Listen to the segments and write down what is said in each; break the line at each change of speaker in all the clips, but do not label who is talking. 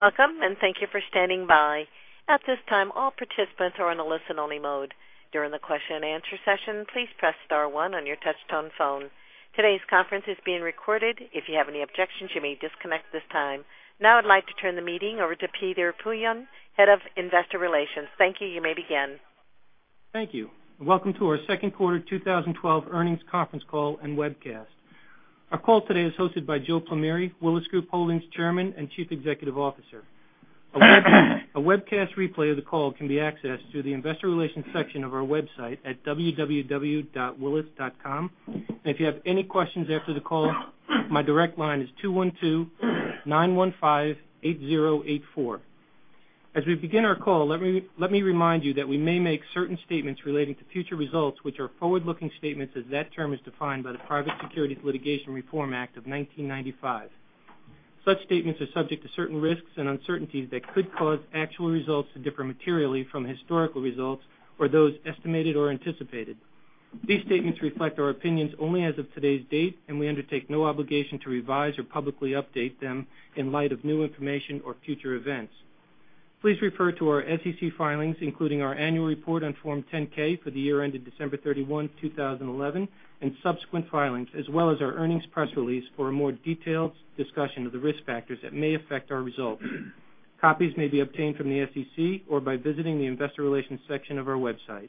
Welcome, thank you for standing by. At this time, all participants are in a listen-only mode. During the question and answer session, please press star one on your touch-tone phone. Today's conference is being recorded. If you have any objections, you may disconnect at this time. I'd like to turn the meeting over to Peter Poillon, Head of Investor Relations. Thank you. You may begin.
Thank you, welcome to our second quarter 2012 earnings conference call and webcast. Our call today is hosted by Joe Plumeri, Willis Group Holdings Chairman and Chief Executive Officer. A webcast replay of the call can be accessed through the investor relations section of our website at www.willis.com. If you have any questions after the call, my direct line is 212-915-8084. As we begin our call, let me remind you that we may make certain statements relating to future results which are forward-looking statements as that term is defined by the Private Securities Litigation Reform Act of 1995. Such statements are subject to certain risks and uncertainties that could cause actual results to differ materially from historical results or those estimated or anticipated. These statements reflect our opinions only as of today's date, we undertake no obligation to revise or publicly update them in light of new information or future events. Please refer to our SEC filings, including our annual report on Form 10-K for the year ended December 31, 2011, and subsequent filings, as well as our earnings press release for a more detailed discussion of the risk factors that may affect our results. Copies may be obtained from the SEC or by visiting the investor relations section of our website.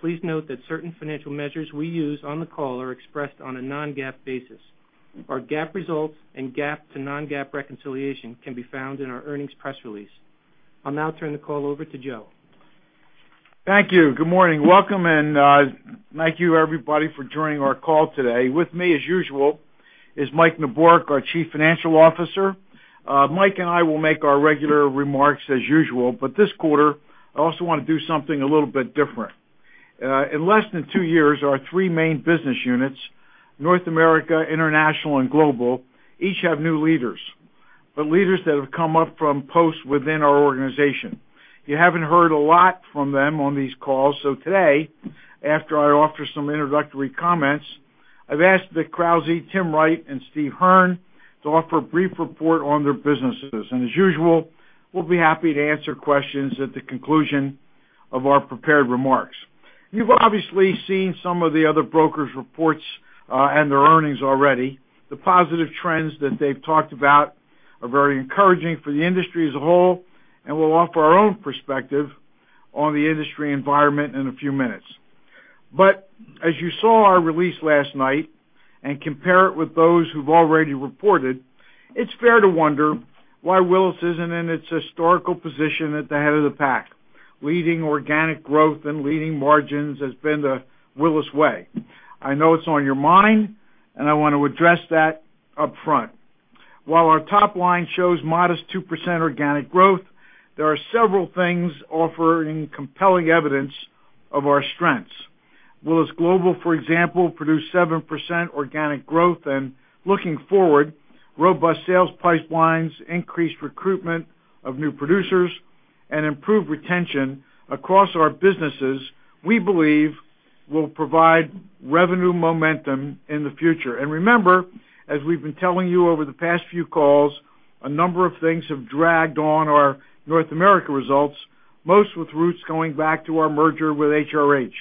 Please note that certain financial measures we use on the call are expressed on a non-GAAP basis. Our GAAP results and GAAP to non-GAAP reconciliation can be found in our earnings press release. I'll now turn the call over to Joe.
Thank you. Good morning. Welcome, thank you, everybody, for joining our call today. With me, as usual, is Mike Neborak, our Chief Financial Officer. Mike and I will make our regular remarks as usual, this quarter, I also want to do something a little bit different. In less than two years, our three main business units, North America, International, and Global, each have new leaders, but leaders that have come up from posts within our organization. You haven't heard a lot from them on these calls. Today, after I offer some introductory comments, I've asked Vic Krauze, Tim Wright, and Steve Hearn to offer a brief report on their businesses. As usual, we'll be happy to answer questions at the conclusion of our prepared remarks. You've obviously seen some of the other brokers' reports and their earnings already. The positive trends that they have talked about are very encouraging for the industry as a whole, we will offer our own perspective on the industry environment in a few minutes. As you saw our release last night and compare it with those who have already reported, it is fair to wonder why Willis is not in its historical position at the head of the pack. Leading organic growth and leading margins has been the Willis way. I know it is on your mind, I want to address that up front. While our top line shows modest 2% organic growth, there are several things offering compelling evidence of our strengths. Willis Global, for example, produced 7% organic growth and looking forward, robust sales pipelines, increased recruitment of new producers, and improved retention across our businesses, we believe will provide revenue momentum in the future. Remember, as we have been telling you over the past few calls, a number of things have dragged on our North America results, most with roots going back to our merger with HRH.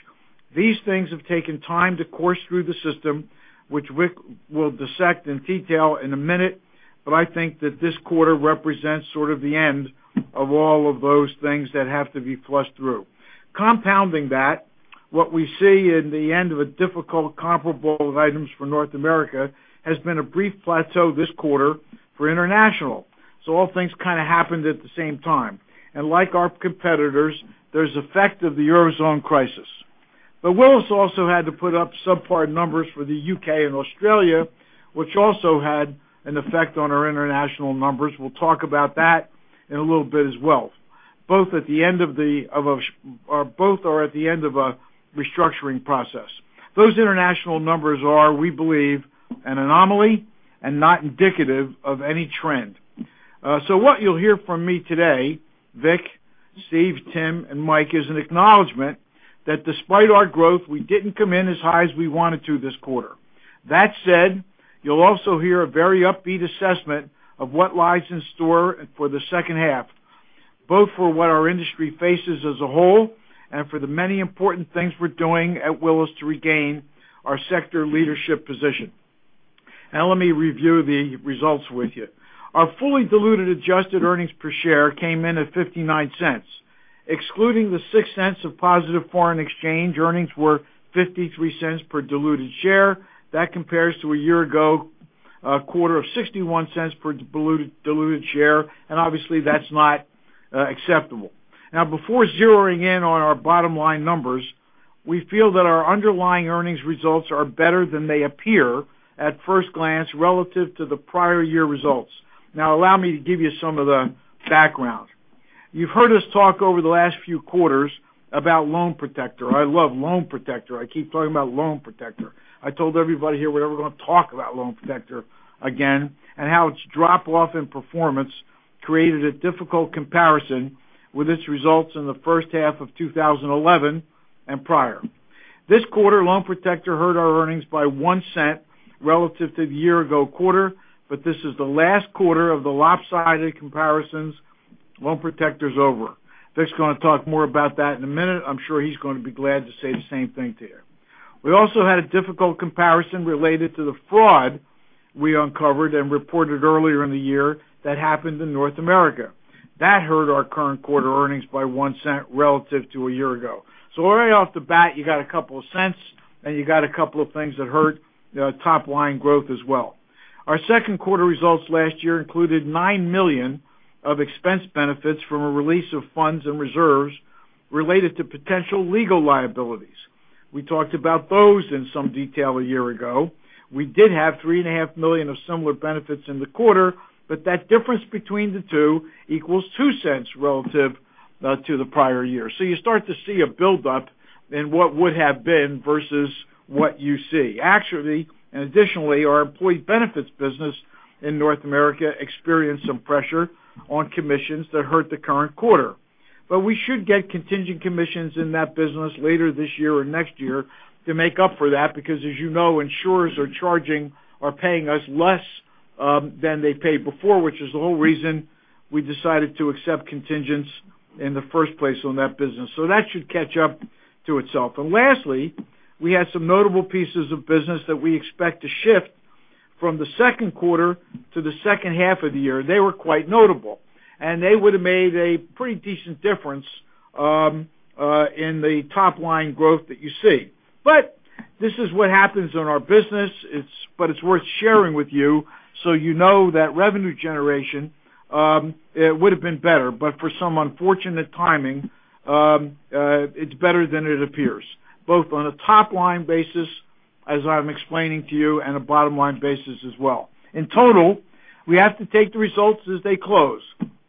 These things have taken time to course through the system, which we will dissect in detail in a minute, but I think that this quarter represents sort of the end of all of those things that have to be flushed through. Compounding that, what we see in the end of a difficult comparable of items for North America has been a brief plateau this quarter for International. All things kind of happened at the same time. Like our competitors, there is effect of the Eurozone crisis. Willis also had to put up subpar numbers for the U.K. and Australia, which also had an effect on our international numbers. We will talk about that in a little bit as well. Both are at the end of a restructuring process. Those international numbers are, we believe, an anomaly and not indicative of any trend. What you will hear from me today, Vic, Steve, Tim, and Mike, is an acknowledgment that despite our growth, we did not come in as high as we wanted to this quarter. That said, you will also hear a very upbeat assessment of what lies in store for the second half, both for what our industry faces as a whole and for the many important things we are doing at Willis to regain our sector leadership position. Now let me review the results with you. Our fully diluted adjusted earnings per share came in at $0.59. Excluding the $0.06 of positive foreign exchange, earnings were $0.53 per diluted share. That compares to a year ago, a quarter of $0.61 per diluted share, and obviously, that is not acceptable. Now, before zeroing in on our bottom line numbers, we feel that our underlying earnings results are better than they appear at first glance relative to the prior year results. Now allow me to give you some of the background. You have heard us talk over the last few quarters about Loan Protector. I love Loan Protector. I keep talking about Loan Protector. I told everybody here we are never going to talk about Loan Protector again and how its drop off in performance created a difficult comparison with its results in the first half of 2011 and prior. This quarter, Loan Protector hurt our earnings by $0.01 relative to the year-ago quarter, but this is the last quarter of the lopsided comparisons. Loan Protector is over. Vic's going to talk more about that in a minute. I'm sure he's going to be glad to say the same thing to you. We also had a difficult comparison related to the fraud we uncovered and reported earlier in the year that happened in North America. That hurt our current quarter earnings by $0.01 relative to a year ago. Right off the bat, you got $0.02 and you got a couple of things that hurt top line growth as well. Our second quarter results last year included $9 million of expense benefits from a release of funds and reserves related to potential legal liabilities. We talked about those in some detail a year ago. We did have $3.5 million of similar benefits in the quarter, but that difference between the two equals $0.02 relative to the prior year. You start to see a build-up in what would have been versus what you see. Actually, additionally, our employee benefits business in North America experienced some pressure on commissions that hurt the current quarter. We should get contingent commissions in that business later this year or next year to make up for that because, as you know, insurers are paying us less than they paid before, which is the whole reason we decided to accept contingents in the first place on that business. That should catch up to itself. Lastly, we had some notable pieces of business that we expect to shift from the second quarter to the second half of the year. They were quite notable, and they would have made a pretty decent difference in the top-line growth that you see. This is what happens in our business, but it's worth sharing with you, so you know that revenue generation would have been better, but for some unfortunate timing, it's better than it appears, both on a top-line basis, as I'm explaining to you, and a bottom-line basis as well. In total, we have to take the results as they close.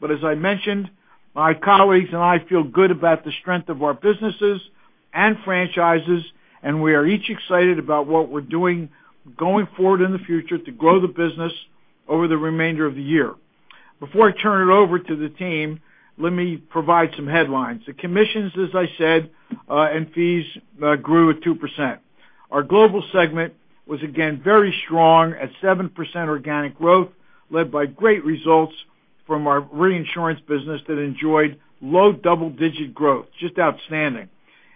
As I mentioned, my colleagues and I feel good about the strength of our businesses and franchises, and we are each excited about what we're doing going forward in the future to grow the business over the remainder of the year. Before I turn it over to the team, let me provide some headlines. The commissions, as I said, and fees grew at 2%. Our Willis Global segment was again very strong at 7% organic growth, led by great results from our Willis Re that enjoyed low double-digit growth. Just outstanding.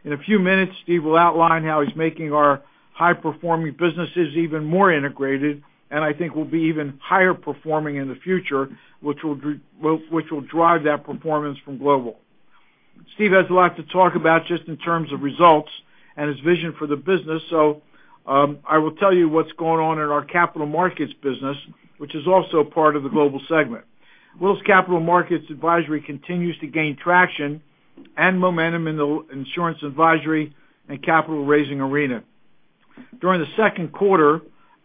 In a few minutes, Steve will outline how he's making our high-performing businesses even more integrated, and I think will be even higher performing in the future, which will drive that performance from Willis Global. Steve has a lot to talk about just in terms of results and his vision for the business, I will tell you what's going on in our Willis Capital Markets & Advisory, which is also a part of the global segment. Willis Capital Markets & Advisory continues to gain traction and momentum in the insurance advisory and capital-raising arena. During the second quarter,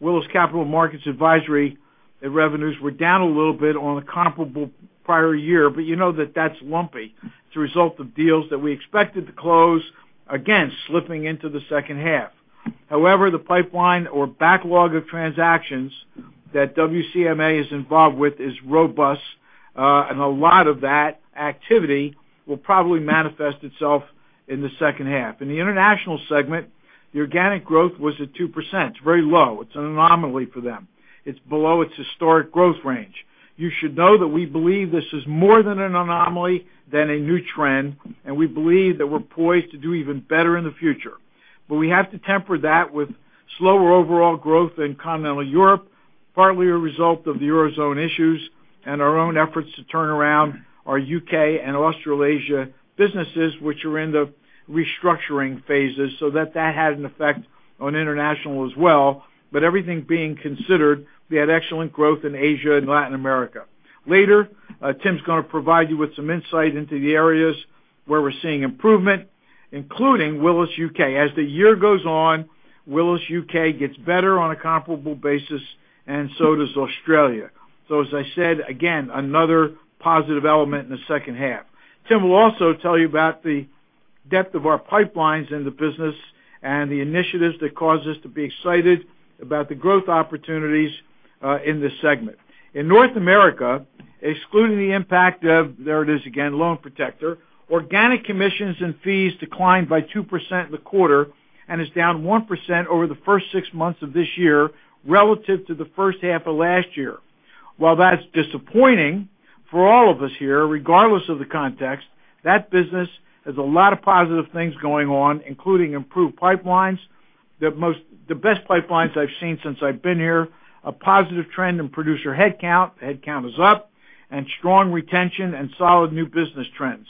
Willis Capital Markets & Advisory revenues were down a little bit on a comparable prior year, you know that that's lumpy as a result of deals that we expected to close, again, slipping into the second half. The pipeline or backlog of transactions that WCMA is involved with is robust, and a lot of that activity will probably manifest itself in the second half. In the international segment, the organic growth was at 2%, very low. It's an anomaly for them. It's below its historic growth range. You should know that we believe this is more than an anomaly than a new trend, and we believe that we're poised to do even better in the future. We have to temper that with slower overall growth in continental Europe, partly a result of the Eurozone issues and our own efforts to turn around our U.K. and Australasia businesses, which are in the restructuring phases, so that had an effect on international as well. Everything being considered, we had excellent growth in Asia and Latin America. Later, Tim's going to provide you with some insight into the areas where we're seeing improvement, including Willis UK. As the year goes on, Willis UK gets better on a comparable basis, and so does Australia. As I said, again, another positive element in the second half. Tim will also tell you about the depth of our pipelines in the business and the initiatives that cause us to be excited about the growth opportunities in this segment. In North America, excluding the impact of, there it is again, Loan Protector, organic commissions and fees declined by 2% in the quarter and is down 1% over the first six months of this year relative to the first half of last year. While that's disappointing for all of us here, regardless of the context, that business has a lot of positive things going on, including improved pipelines, the best pipelines I've seen since I've been here. A positive trend in producer headcount is up, and strong retention and solid new business trends.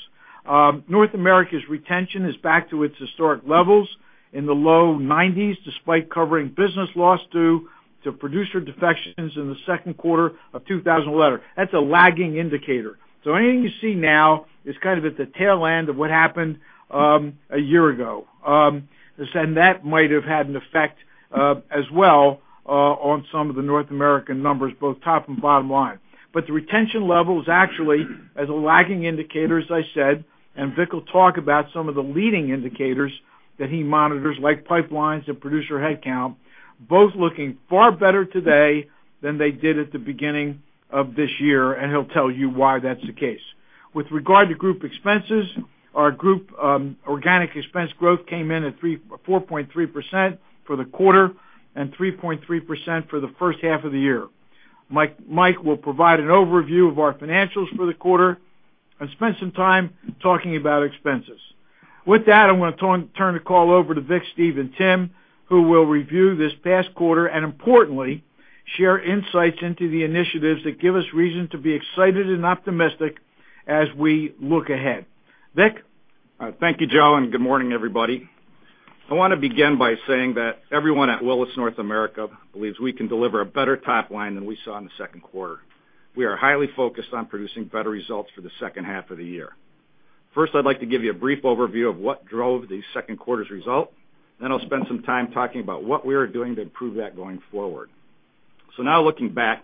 North America's retention is back to its historic levels in the low 90s, despite covering business loss due to producer defections in the second quarter of 2011. That's a lagging indicator. Anything you see now is at the tail end of what happened a year ago. That might have had an effect as well on some of the North American numbers, both top and bottom line. The retention level is actually as a lagging indicator, as I said, and Vic will talk about some of the leading indicators that he monitors, like pipelines and producer headcount, both looking far better today than they did at the beginning of this year, and he'll tell you why that's the case. With regard to group expenses, our group organic expense growth came in at 4.3% for the quarter and 3.3% for the first half of the year. Mike will provide an overview of our financials for the quarter and spend some time talking about expenses. With that, I'm going to turn the call over to Vic, Steve, and Tim, who will review this past quarter and importantly, share insights into the initiatives that give us reason to be excited and optimistic as we look ahead. Vic?
Thank you, Joe, and good morning, everybody. I want to begin by saying that everyone at Willis North America believes we can deliver a better top line than we saw in the second quarter. We are highly focused on producing better results for the second half of the year. First, I'd like to give you a brief overview of what drove the second quarter's result. Then I'll spend some time talking about what we are doing to improve that going forward. Looking back,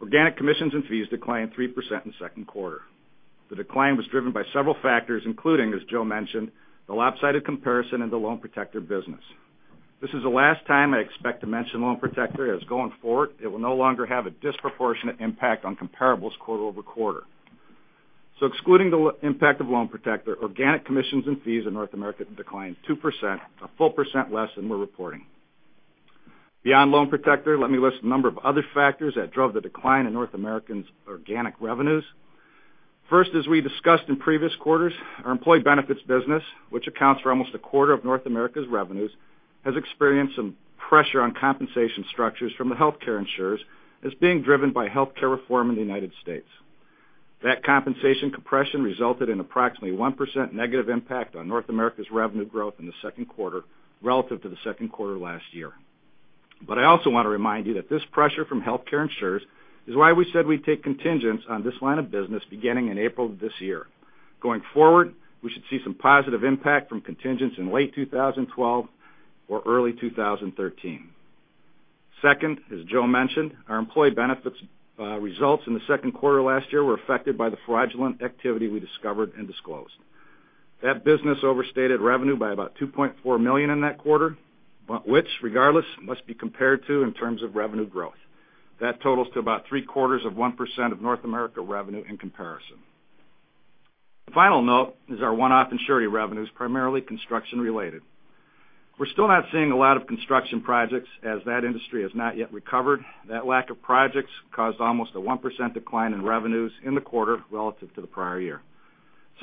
organic commissions and fees declined 3% in the second quarter. The decline was driven by several factors, including, as Joe mentioned, the lopsided comparison of the Loan Protector business. This is the last time I expect to mention Loan Protector, as going forward, it will no longer have a disproportionate impact on comparables quarter-over-quarter. Excluding the impact of Loan Protector, organic commissions and fees in North America declined 2%, a full percent less than we're reporting. Beyond Loan Protector, let me list a number of other factors that drove the decline in North America's organic revenues. First, as we discussed in previous quarters, our employee benefits business, which accounts for almost a quarter of North America's revenues, has experienced some pressure on compensation structures from the healthcare insurers as being driven by healthcare reform in the U.S. That compensation compression resulted in approximately 1% negative impact on North America's revenue growth in the second quarter relative to the second quarter last year. I also want to remind you that this pressure from healthcare insurers is why we said we'd take contingents on this line of business beginning in April of this year. Going forward, we should see some positive impact from contingents in late 2012 or early 2013. Second, as Joe mentioned, our employee benefits results in the second quarter last year were affected by the fraudulent activity we discovered and disclosed. That business overstated revenue by about $2.4 million in that quarter, but which, regardless, must be compared to in terms of revenue growth. That totals to about three-quarters of 1% of North America revenue in comparison. The final note is our one-off surety revenues, primarily construction related. We're still not seeing a lot of construction projects as that industry has not yet recovered. That lack of projects caused almost a 1% decline in revenues in the quarter relative to the prior year.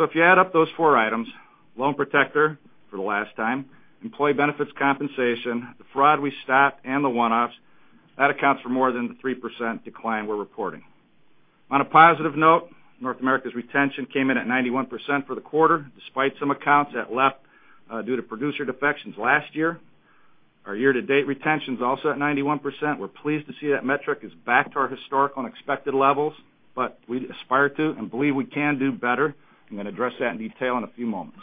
If you add up those four items, Loan Protector, for the last time, employee benefits compensation, the fraud we stopped, and the one-offs, that accounts for more than the 3% decline we're reporting. On a positive note, North America's retention came in at 91% for the quarter, despite some accounts that left due to producer defections last year. Our year-to-date retention is also at 91%. We're pleased to see that metric is back to our historical and expected levels, but we aspire to and believe we can do better. I'm going to address that in detail in a few moments.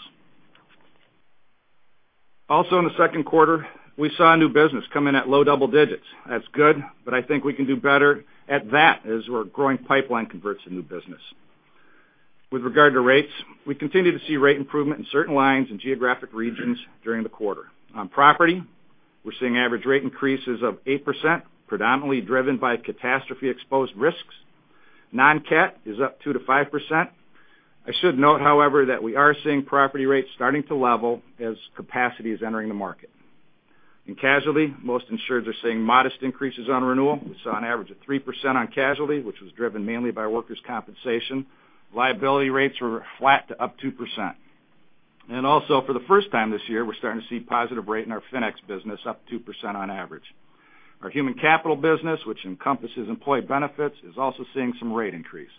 Also in the second quarter, we saw new business come in at low double digits. That's good, but I think we can do better at that as our growing pipeline converts to new business. With regard to rates, we continue to see rate improvement in certain lines and geographic regions during the quarter. On property, we're seeing average rate increases of 8%, predominantly driven by catastrophe-exposed risks. Non-cat is up 2%-5%. I should note, however, that we are seeing property rates starting to level as capacity is entering the market. In casualty, most insurers are seeing modest increases on renewal. We saw an average of 3% on casualty, which was driven mainly by workers' compensation. Liability rates were flat to up 2%. Also, for the first time this year, we're starting to see positive rate in our FINEX business, up 2% on average. Our human capital business, which encompasses employee benefits, is also seeing some rate increase.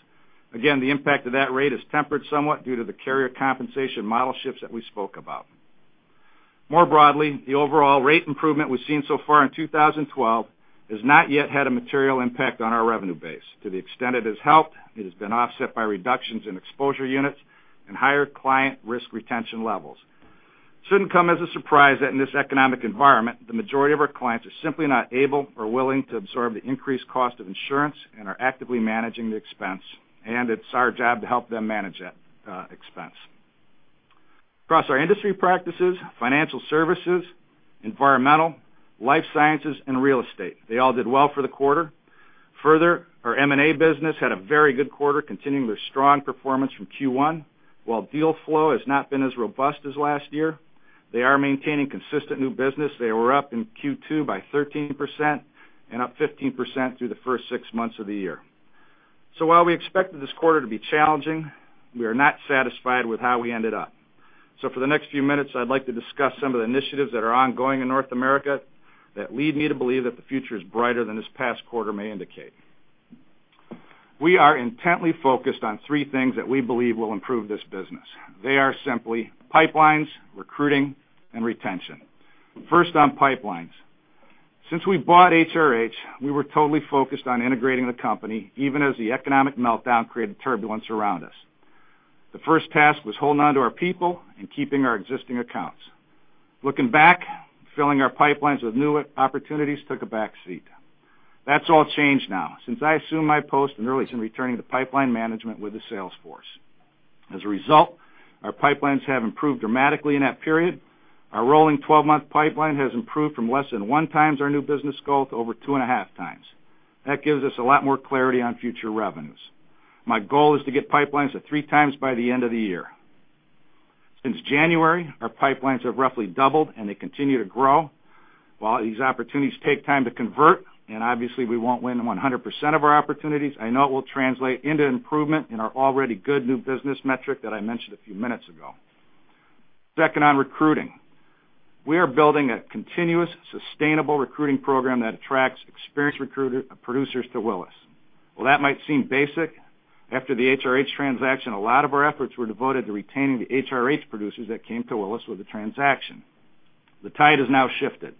Again, the impact of that rate is tempered somewhat due to the carrier compensation model shifts that we spoke about. More broadly, the overall rate improvement we've seen so far in 2012 has not yet had a material impact on our revenue base. To the extent it has helped, it has been offset by reductions in exposure units and higher client risk retention levels. It shouldn't come as a surprise that in this economic environment, the majority of our clients are simply not able or willing to absorb the increased cost of insurance and are actively managing the expense. It's our job to help them manage that expense. Across our industry practices, financial services, environmental, life sciences, and real estate, they all did well for the quarter. Further, our M&A business had a very good quarter, continuing their strong performance from Q1. While deal flow has not been as robust as last year, they are maintaining consistent new business. They were up in Q2 by 13% and up 15% through the first six months of the year. While we expected this quarter to be challenging, we are not satisfied with how we ended up. For the next few minutes, I'd like to discuss some of the initiatives that are ongoing in North America that lead me to believe that the future is brighter than this past quarter may indicate. We are intently focused on three things that we believe will improve this business. They are simply pipelines, recruiting, and retention. First on pipelines. Since we bought HRH, we were totally focused on integrating the company, even as the economic meltdown created turbulence around us. The first task was holding on to our people and keeping our existing accounts. Looking back, filling our pipelines with new opportunities took a back seat. That's all changed now, since I assumed my post and early in returning the pipeline management with the sales force. As a result Our pipelines have improved dramatically in that period. Our rolling 12-month pipeline has improved from less than one times our new business scope to over 2.5 times. That gives us a lot more clarity on future revenues. My goal is to get pipelines to three times by the end of the year. Since January, our pipelines have roughly doubled, and they continue to grow. While these opportunities take time to convert, and obviously we won't win 100% of our opportunities, I know it will translate into improvement in our already good new business metric that I mentioned a few minutes ago. Second, on recruiting. We are building a continuous, sustainable recruiting program that attracts experienced producers to Willis. While that might seem basic, after the HRH transaction, a lot of our efforts were devoted to retaining the HRH producers that came to Willis with the transaction. The tide has now shifted.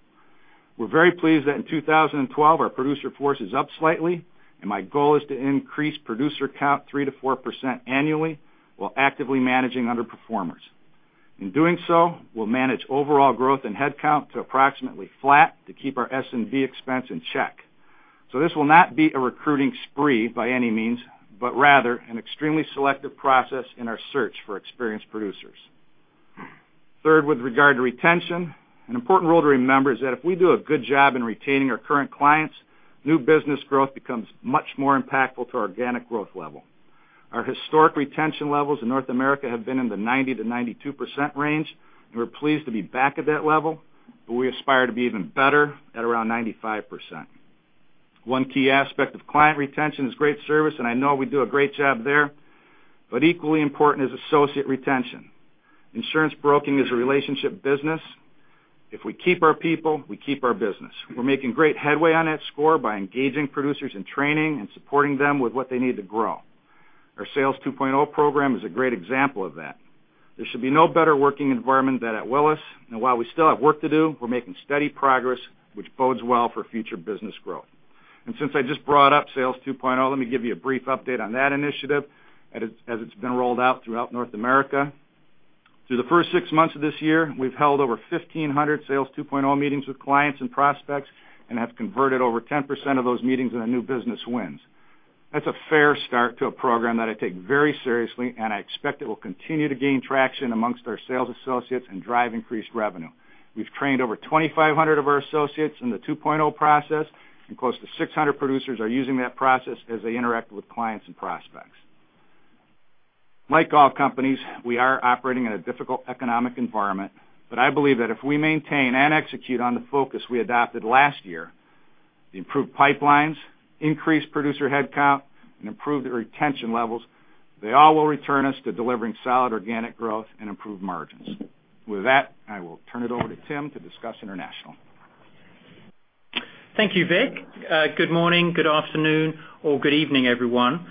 We're very pleased that in 2012, our producer force is up slightly, and my goal is to increase producer count 3%-4% annually while actively managing underperformers. In doing so, we'll manage overall growth in headcount to approximately flat to keep our S&B expense in check. This will not be a recruiting spree by any means, but rather an extremely selective process in our search for experienced producers. Third, with regard to retention, an important rule to remember is that if we do a good job in retaining our current clients, new business growth becomes much more impactful to organic growth level. Our historic retention levels in North America have been in the 90%-92% range, and we're pleased to be back at that level, but we aspire to be even better at around 95%. One key aspect of client retention is great service, and I know we do a great job there, but equally important is associate retention. Insurance broking is a relationship business. If we keep our people, we keep our business. We're making great headway on that score by engaging producers in training and supporting them with what they need to grow. Our Sales 2.0 program is a great example of that. There should be no better working environment than at Willis, and while we still have work to do, we're making steady progress, which bodes well for future business growth. Since I just brought up Sales 2.0, let me give you a brief update on that initiative as it's been rolled out throughout North America. Through the first six months of this year, we've held over 1,500 Sales 2.0 meetings with clients and prospects and have converted over 10% of those meetings into new business wins. That's a fair start to a program that I take very seriously, and I expect it will continue to gain traction amongst our sales associates and drive increased revenue. We've trained over 2,500 of our associates in the 2.0 process, and close to 600 producers are using that process as they interact with clients and prospects. Like all companies, we are operating in a difficult economic environment, I believe that if we maintain and execute on the focus we adopted last year, the improved pipelines, increased producer headcount, and improved retention levels, they all will return us to delivering solid organic growth and improved margins. With that, I will turn it over to Tim to discuss International.
Thank you, Vic. Good morning, good afternoon, or good evening, everyone.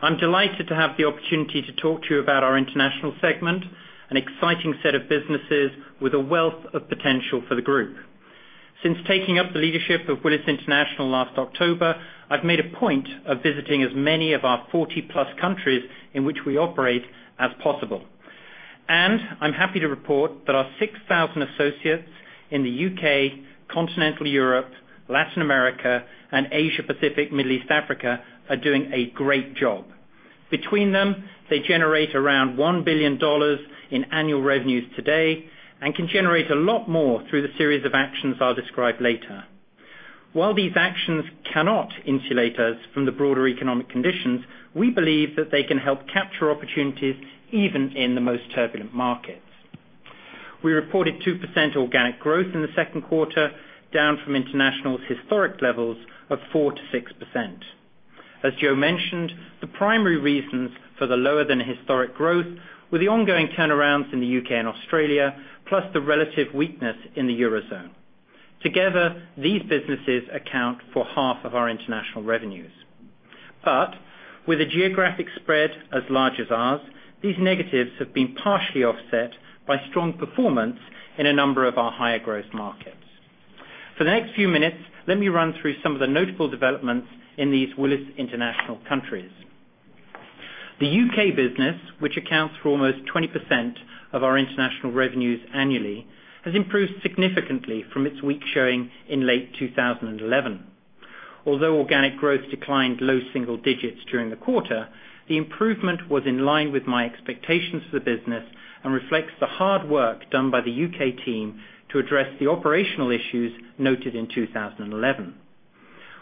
I'm delighted to have the opportunity to talk to you about our International segment, an exciting set of businesses with a wealth of potential for the group. Since taking up the leadership of Willis International last October, I've made a point of visiting as many of our 40-plus countries in which we operate as possible. I'm happy to report that our 6,000 associates in the U.K., Continental Europe, Latin America, and Asia Pacific, Middle East, Africa, are doing a great job. Between them, they generate around $1 billion in annual revenues today and can generate a lot more through the series of actions I'll describe later. While these actions cannot insulate us from the broader economic conditions, we believe that they can help capture opportunities even in the most turbulent markets. We reported 2% organic growth in the second quarter, down from International's historic levels of 4%-6%. As Joe mentioned, the primary reasons for the lower than historic growth were the ongoing turnarounds in the U.K. and Australia, plus the relative weakness in the Eurozone. Together, these businesses account for half of our international revenues. With a geographic spread as large as ours, these negatives have been partially offset by strong performance in a number of our higher growth markets. For the next few minutes, let me run through some of the notable developments in these Willis International countries. The U.K. business, which accounts for almost 20% of our international revenues annually, has improved significantly from its weak showing in late 2011. Although organic growth declined low single digits during the quarter, the improvement was in line with my expectations for the business and reflects the hard work done by the U.K. team to address the operational issues noted in 2011.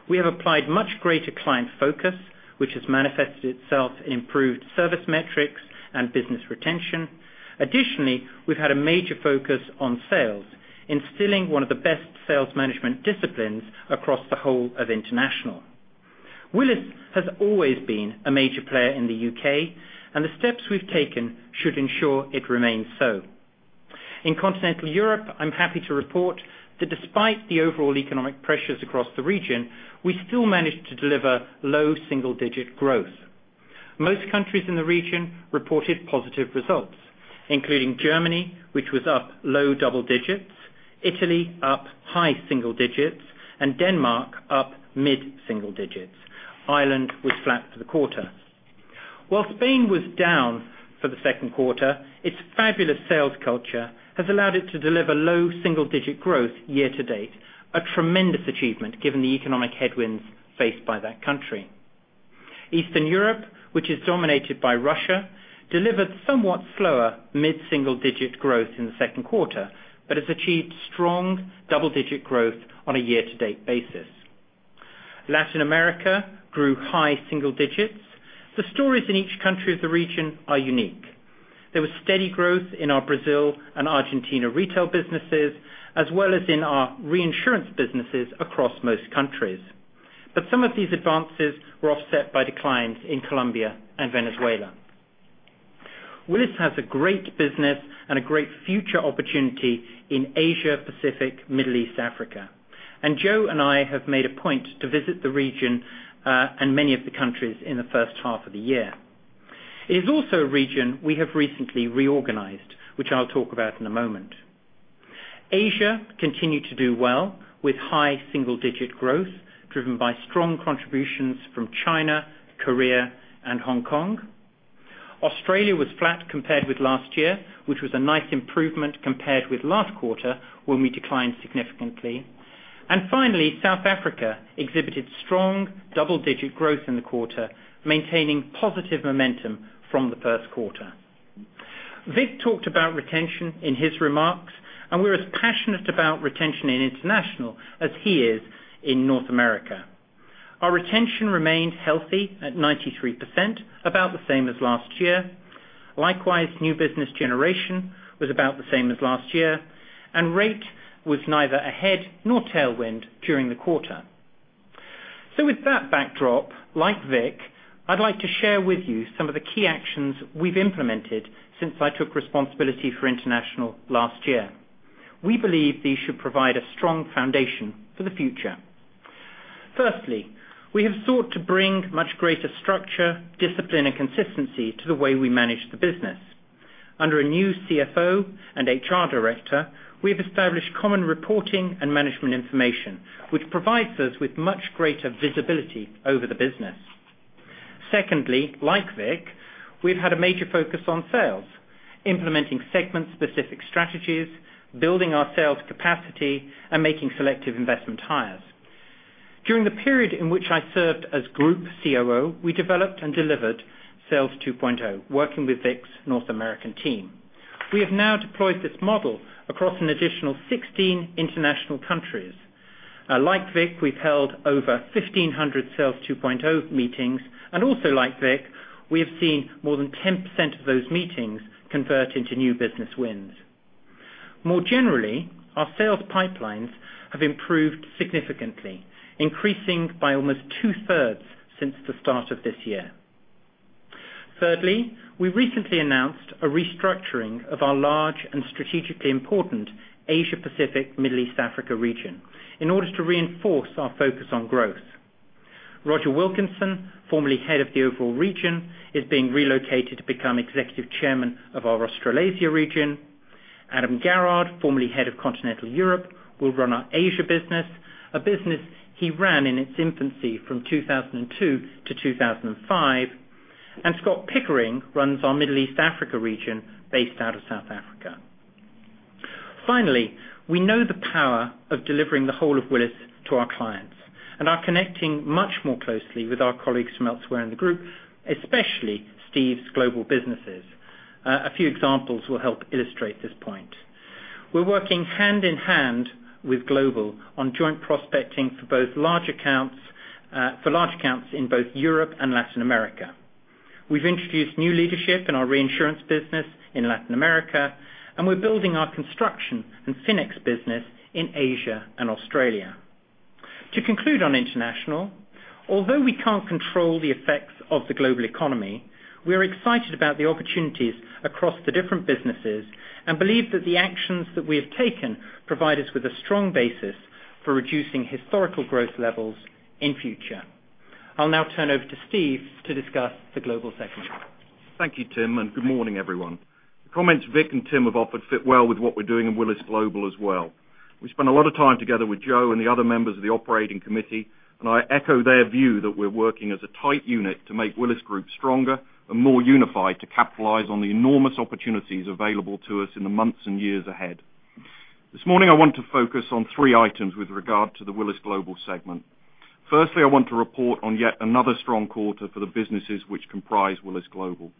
We have applied much greater client focus, which has manifested itself in improved service metrics and business retention. Additionally, we've had a major focus on sales, instilling one of the best sales management disciplines across the whole of International. Willis has always been a major player in the U.K., the steps we've taken should ensure it remains so. In Continental Europe, I'm happy to report that despite the overall economic pressures across the region, we still managed to deliver low double-digit growth. Most countries in the region reported positive results, including Germany, which was up low double digits, Italy up high single digits, and Denmark up mid-single digits. Ireland was flat for the quarter. While Spain was down for the second quarter, its fabulous sales culture has allowed it to deliver low single-digit growth year-to-date, a tremendous achievement given the economic headwinds faced by that country. Eastern Europe, which is dominated by Russia, delivered somewhat slower mid-single-digit growth in the second quarter, has achieved strong double-digit growth on a year-to-date basis. Latin America grew high single digits. The stories in each country of the region are unique. There was steady growth in our Brazil and Argentina retail businesses, as well as in our reinsurance businesses across most countries. Some of these advances were offset by declines in Colombia and Venezuela. Willis has a great business and a great future opportunity in Asia Pacific, Middle East, Africa. Joe and I have made a point to visit the region, and many of the countries in the first half of the year. It is also a region we have recently reorganized, which I will talk about in a moment. Asia continued to do well with high single-digit growth, driven by strong contributions from China, Korea and Hong Kong. Australia was flat compared with last year, which was a nice improvement compared with last quarter, when we declined significantly. Finally, South Africa exhibited strong double-digit growth in the quarter, maintaining positive momentum from the first quarter. Vic talked about retention in his remarks, and we are as passionate about retention in international as he is in Willis North America. Our retention remained healthy at 93%, about the same as last year. Likewise, new business generation was about the same as last year, and rate was neither a head nor tailwind during the quarter. With that backdrop, like Vic, I would like to share with you some of the key actions we have implemented since I took responsibility for international last year. We believe these should provide a strong foundation for the future. Firstly, we have sought to bring much greater structure, discipline, and consistency to the way we manage the business. Under a new CFO and HR director, we have established common reporting and management information, which provides us with much greater visibility over the business. Secondly, like Vic, we have had a major focus on sales, implementing segment-specific strategies, building our sales capacity, and making selective investment hires. During the period in which I served as Group COO, we developed and delivered Sales 2.0, working with Vic's Willis North American team. We have now deployed this model across an additional 16 international countries. Like Vic, we have held over 1,500 Sales 2.0 meetings, and also like Vic, we have seen more than 10% of those meetings convert into new business wins. More generally, our sales pipelines have improved significantly, increasing by almost two-thirds since the start of this year. Thirdly, we recently announced a restructuring of our large and strategically important Asia-Pacific, Middle East, Africa region in order to reinforce our focus on growth. Roger Wilkinson, formerly head of the overall region, is being relocated to become executive chairman of our Australasia region. Adam Garrard, formerly head of Continental Europe, will run our Asia business. A business he ran in its infancy from 2002 to 2005, Scott Pickering runs our Middle East, Africa region based out of South Africa. Finally, we know the power of delivering the whole of Willis to our clients and are connecting much more closely with our colleagues from elsewhere in the group, especially Steve's Willis Global businesses. A few examples will help illustrate this point. We are working hand in hand with Willis Global on joint prospecting for large accounts in both Europe and Latin America. We have introduced new leadership in our reinsurance business in Latin America, and we are building our construction and FINEX business in Asia and Australia. To conclude on international, although we cannot control the effects of the global economy, we are excited about the opportunities across the different businesses and believe that the actions that we have taken provide us with a strong basis for reducing historical growth levels in future. I will now turn over to Steve to discuss the Willis Global segment.
Thank you, Tim. Good morning, everyone. The comments Vic and Tim have offered fit well with what we're doing in Willis Global as well. We spent a lot of time together with Joe and the other members of the operating committee. I echo their view that we're working as a tight unit to make Willis Group stronger and more unified to capitalize on the enormous opportunities available to us in the months and years ahead. This morning, I want to focus on three items with regard to the Willis Global segment. Firstly, I want to report on yet another strong quarter for the businesses which comprise Willis Global.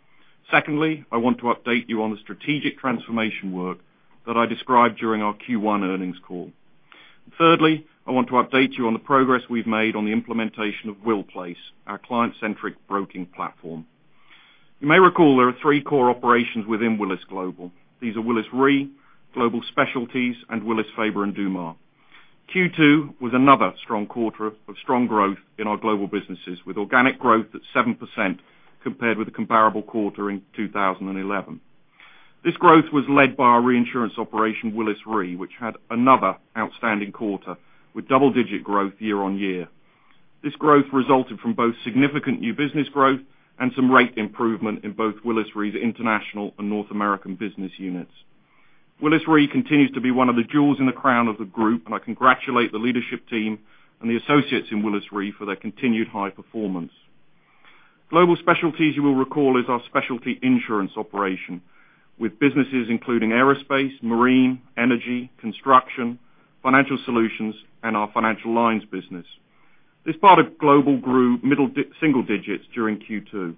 Secondly, I want to update you on the strategic transformation work that I described during our Q1 earnings call. Thirdly, I want to update you on the progress we've made on the implementation of Willis Place, our client-centric broking platform. You may recall there are three core operations within Willis Global. These are Willis Re, Global Specialties, and Willis, Faber & Dumas. Q2 was another strong quarter of strong growth in our global businesses, with organic growth at 7% compared with the comparable quarter in 2011. This growth was led by our reinsurance operation, Willis Re, which had another outstanding quarter with double-digit growth year-on-year. This growth resulted from both significant new business growth and some rate improvement in both Willis Re's international and North American business units. Willis Re continues to be one of the jewels in the crown of the group. I congratulate the leadership team and the associates in Willis Re for their continued high performance. Global Specialties, you will recall, is our specialty insurance operation with businesses including aerospace, marine, energy, construction, FINEX, and our financial lines business. This part of Global grew middle single digits during Q2.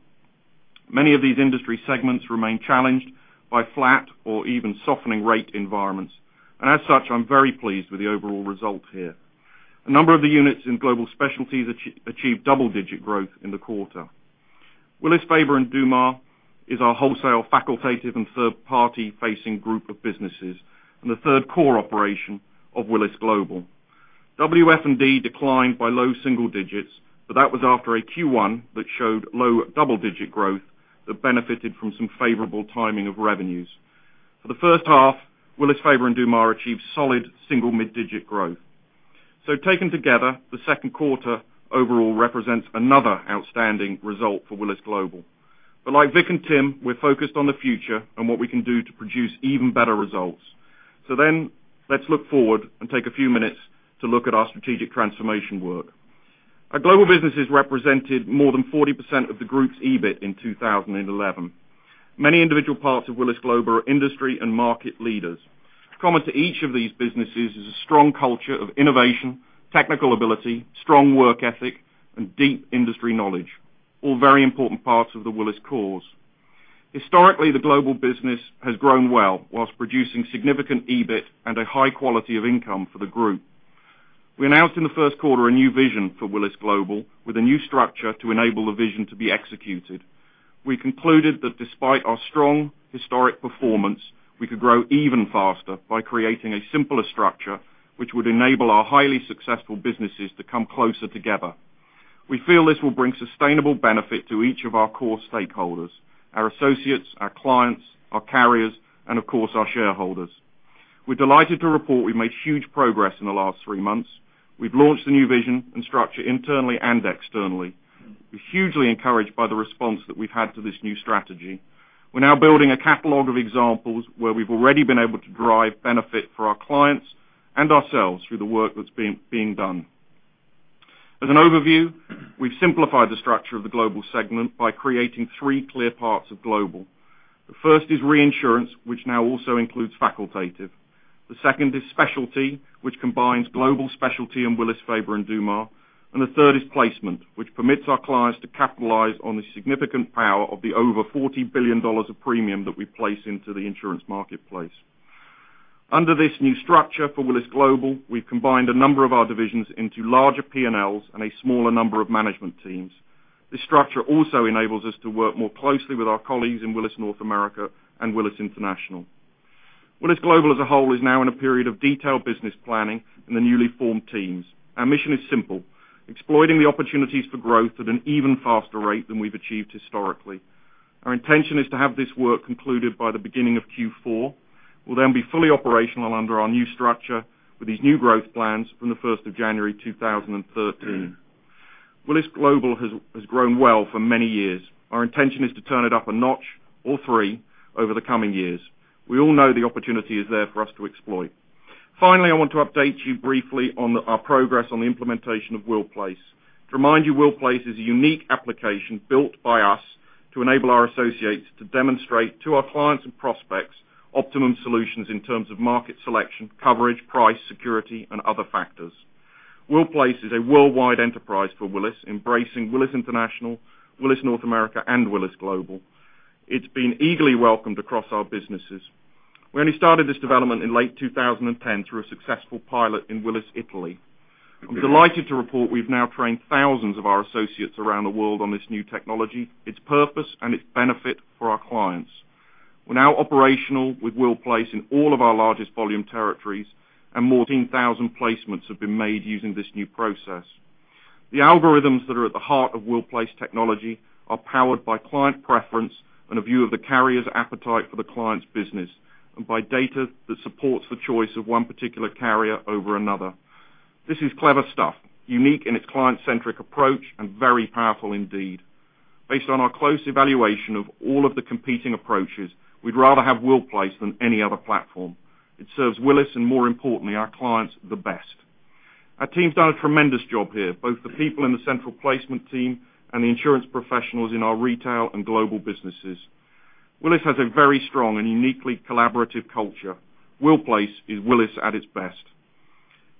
Many of these industry segments remain challenged by flat or even softening rate environments. As such, I'm very pleased with the overall result here. A number of the units in Global Specialties achieved double-digit growth in the quarter. Willis, Faber & Dumas is our wholesale facultative and third-party facing group of businesses and the third core operation of Willis Global. WF&D declined by low single digits, but that was after a Q1 that showed low double-digit growth that benefited from some favorable timing of revenues. For the first half, Willis, Faber & Dumas achieved solid single mid-digit growth. Taken together, the second quarter overall represents another outstanding result for Willis Global. Like Vic and Tim, we're focused on the future and what we can do to produce even better results. Let's look forward and take a few minutes to look at our strategic transformation work. Our Global business has represented more than 40% of the group's EBIT in 2011. Many individual parts of Willis Global are industry and market leaders. Common to each of these businesses is a strong culture of innovation, technical ability, strong work ethic, and deep industry knowledge, all very important parts of the Willis cause. Historically, the Global business has grown well whilst producing significant EBIT and a high quality of income for the group. We announced in the first quarter a new vision for Willis Global with a new structure to enable the vision to be executed. We concluded that despite our strong historic performance, we could grow even faster by creating a simpler structure, which would enable our highly successful businesses to come closer together. We feel this will bring sustainable benefit to each of our core stakeholders, our associates, our clients, our carriers, and of course, our shareholders. We're delighted to report we've made huge progress in the last three months. We've launched the new vision and structure internally and externally. We're hugely encouraged by the response that we've had to this new strategy. We're now building a catalog of examples where we've already been able to drive benefit for our clients and ourselves through the work that's being done. As an overview, we've simplified the structure of Willis Global by creating three clear parts of Willis Global. The first is reinsurance, which now also includes facultative. The second is specialty, which combines Global Specialties in Willis, Faber & Dumas, and the third is placement, which permits our clients to capitalize on the significant power of the over $40 billion of premium that we place into the insurance marketplace. Under this new structure for Willis Global, we've combined a number of our divisions into larger P&Ls and a smaller number of management teams. This structure also enables us to work more closely with our colleagues in Willis North America and Willis International. Willis Global as a whole is now in a period of detailed business planning in the newly formed teams. Our mission is simple, exploiting the opportunities for growth at an even faster rate than we've achieved historically. Our intention is to have this work concluded by the beginning of Q4. We'll then be fully operational under our new structure with these new growth plans from the 1st of January 2013. Willis Global has grown well for many years. Our intention is to turn it up a notch or three over the coming years. We all know the opportunity is there for us to exploit. Finally, I want to update you briefly on our progress on the implementation of Willis Place. To remind you, Willis Place is a unique application built by us to enable our associates to demonstrate to our clients and prospects optimum solutions in terms of market selection, coverage, price, security, and other factors. Willis Place is a worldwide enterprise for Willis, embracing Willis International, Willis North America, and Willis Global. It's been eagerly welcomed across our businesses. We only started this development in late 2010 through a successful pilot in Willis Italy. I'm delighted to report we've now trained thousands of our associates around the world on this new technology, its purpose, and its benefit for our clients. We're now operational with Willis Place in all of our largest volume territories, and 14,000 placements have been made using this new process. The algorithms that are at the heart of Willis Place technology are powered by client preference and a view of the carrier's appetite for the client's business, and by data that supports the choice of one particular carrier over another. This is clever stuff, unique in its client-centric approach and very powerful indeed. Based on our close evaluation of all of the competing approaches, we'd rather have Willis Place than any other platform. It serves Willis, and more importantly, our clients, the best. Our team's done a tremendous job here, both the people in the central placement team and the insurance professionals in our retail and Willis Global businesses. Willis has a very strong and uniquely collaborative culture. Willis Place is Willis at its best.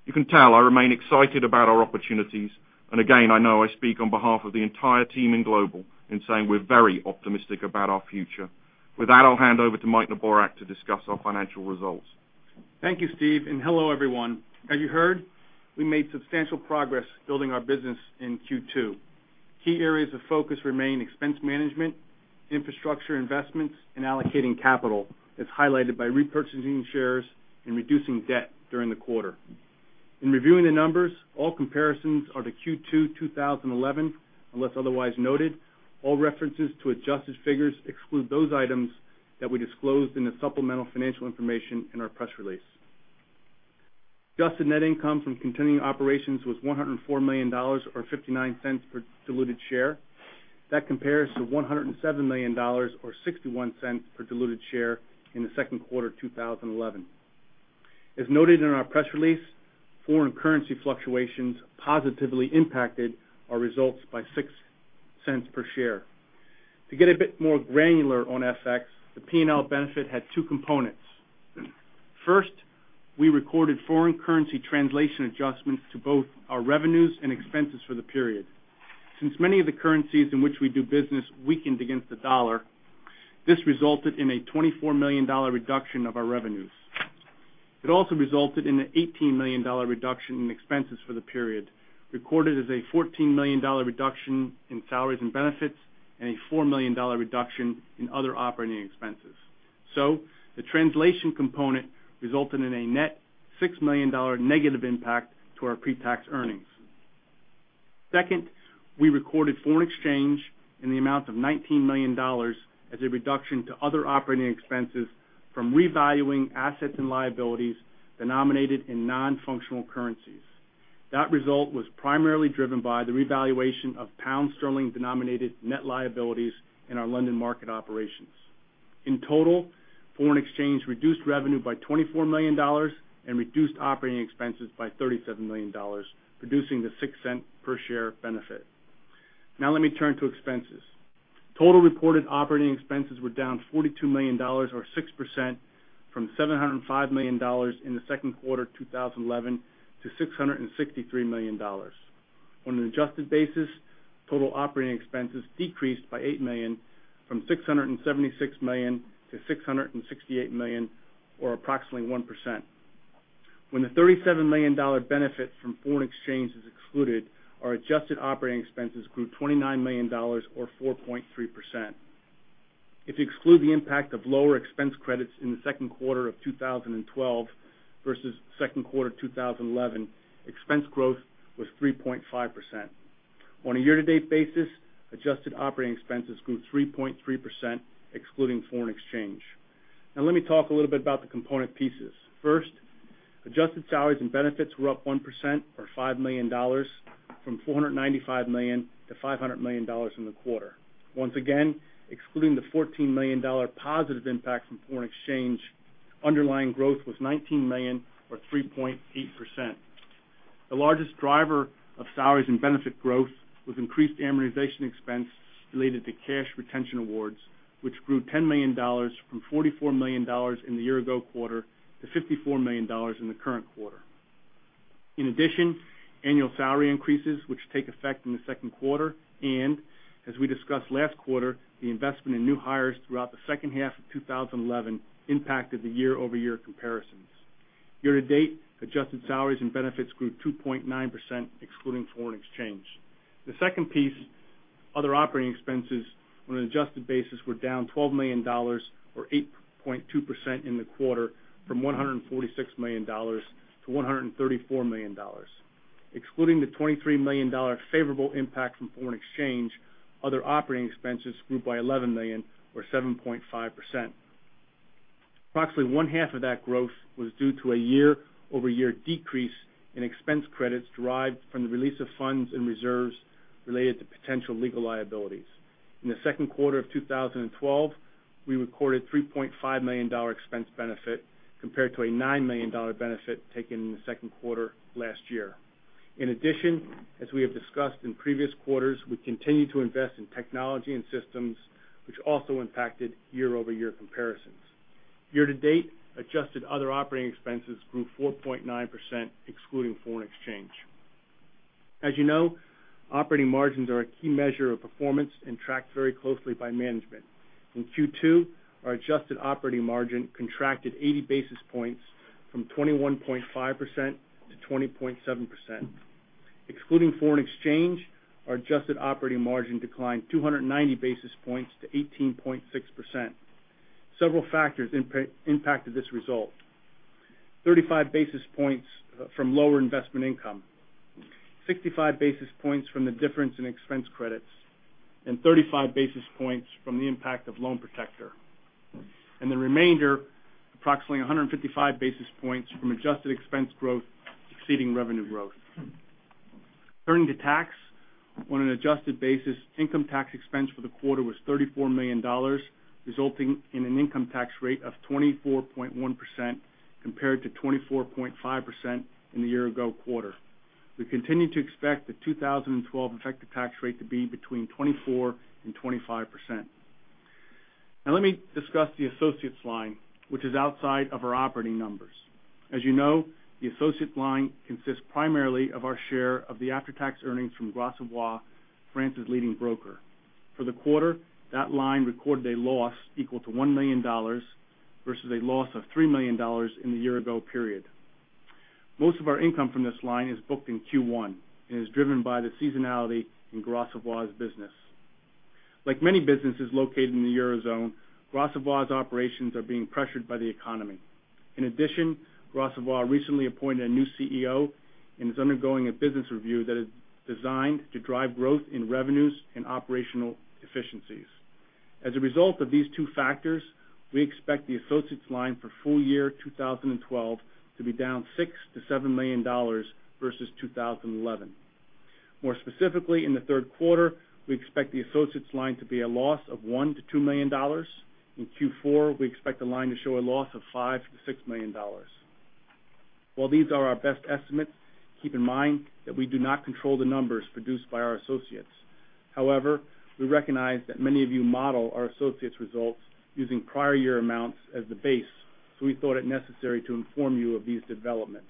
You can tell I remain excited about our opportunities, and again, I know I speak on behalf of the entire team in Willis Global in saying we're very optimistic about our future. With that, I'll hand over to Mike Neborak to discuss our financial results.
Thank you, Steve, and hello, everyone. As you heard, we made substantial progress building our business in Q2. Key areas of focus remain expense management, infrastructure investments, and allocating capital, as highlighted by repurchasing shares and reducing debt during the quarter. In reviewing the numbers, all comparisons are to Q2 2011, unless otherwise noted. All references to adjusted figures exclude those items that we disclosed in the supplemental financial information in our press release. Adjusted net income from continuing operations was $104 million, or $0.59 per diluted share. That compares to $107 million or $0.61 per diluted share in the second quarter of 2011. As noted in our press release, foreign currency fluctuations positively impacted our results by $0.06 per share. To get a bit more granular on FX, the P&L benefit had two components. First, we recorded foreign currency translation adjustments to both our revenues and expenses for the period. Since many of the currencies in which we do business weakened against the dollar, this resulted in a $24 million reduction of our revenues. It also resulted in an $18 million reduction in expenses for the period, recorded as a $14 million reduction in salaries and benefits, and a $4 million reduction in other operating expenses. The translation component resulted in a net $6 million negative impact to our pre-tax earnings. Second, we recorded foreign exchange in the amount of $19 million as a reduction to other operating expenses from revaluing assets and liabilities denominated in non-functional currencies. That result was primarily driven by the revaluation of pound sterling-denominated net liabilities in our London market operations. In total, foreign exchange reduced revenue by $24 million and reduced operating expenses by $37 million, producing the $0.06 per share benefit. Let me turn to expenses. Total reported operating expenses were down $42 million or 6%, from $705 million in the second quarter 2011 to $663 million. On an adjusted basis, total operating expenses decreased by 8 million, from $676 million to $668 million, or approximately 1%. When the $37 million benefit from foreign exchange is excluded, our adjusted operating expenses grew $29 million or 4.3%. If you exclude the impact of lower expense credits in the second quarter of 2012 versus second quarter 2011, expense growth was 3.5%. On a year-to-date basis, adjusted operating expenses grew 3.3%, excluding foreign exchange. Let me talk a little bit about the component pieces. First, adjusted salaries and benefits were up 1% or $5 million, from $495 million to $500 million in the quarter. Once again, excluding the $14 million positive impact from foreign exchange, underlying growth was $19 million or 3.8%. The largest driver of salaries and benefit growth was increased amortization expense related to cash retention awards, which grew $10 million from $44 million in the year-ago quarter to $54 million in the current quarter. In addition, annual salary increases, which take effect in the second quarter, as we discussed last quarter, the investment in new hires throughout the second half of 2011 impacted the year-over-year comparisons. Year-to-date, adjusted salaries and benefits grew 2.9%, excluding foreign exchange. The second piece, other operating expenses on an adjusted basis were down $12 million or 8.2% in the quarter from $146 million to $134 million. Excluding the $23 million favorable impact from foreign exchange, other operating expenses grew by $11 million or 7.5%. Approximately one half of that growth was due to a year-over-year decrease in expense credits derived from the release of funds and reserves related to potential legal liabilities. In the second quarter of 2012, we recorded $3.5 million expense benefit compared to a $9 million benefit taken in the second quarter last year. In addition, as we have discussed in previous quarters, we continue to invest in technology and systems, which also impacted year-over-year comparisons. Year-to-date, adjusted other operating expenses grew 4.9%, excluding foreign exchange. As you know, operating margins are a key measure of performance and tracked very closely by management. In Q2, our adjusted operating margin contracted 80 basis points from 21.5% to 20.7%. Excluding foreign exchange, our adjusted operating margin declined 290 basis points to 18.6%. Several factors impacted this result. 35 basis points from lower investment income, 65 basis points from the difference in expense credits, and 35 basis points from the impact of Loan Protector. The remainder, approximately 155 basis points from adjusted expense growth exceeding revenue growth. Turning to tax, on an adjusted basis, income tax expense for the quarter was $34 million, resulting in an income tax rate of 24.1% compared to 24.5% in the year ago quarter. We continue to expect the 2012 effective tax rate to be between 24%-25%. Now let me discuss the associates line, which is outside of our operating numbers. As you know, the associates line consists primarily of our share of the after-tax earnings from Gras Savoye, France's leading broker. For the quarter, that line recorded a loss equal to $1 million versus a loss of $3 million in the year ago period. Most of our income from this line is booked in Q1 and is driven by the seasonality in Gras Savoye's business. Like many businesses located in the Eurozone, Gras Savoye's operations are being pressured by the economy. In addition, Gras Savoye recently appointed a new CEO and is undergoing a business review that is designed to drive growth in revenues and operational efficiencies. As a result of these two factors, we expect the associates line for full year 2012 to be down $6 million-$7 million versus 2011. More specifically, in the third quarter, we expect the associates line to be a loss of $1 million-$2 million. In Q4, we expect the line to show a loss of $5 million-$6 million. While these are our best estimates, keep in mind that we do not control the numbers produced by our associates. However, we recognize that many of you model our associates' results using prior year amounts as the base. We thought it necessary to inform you of these developments.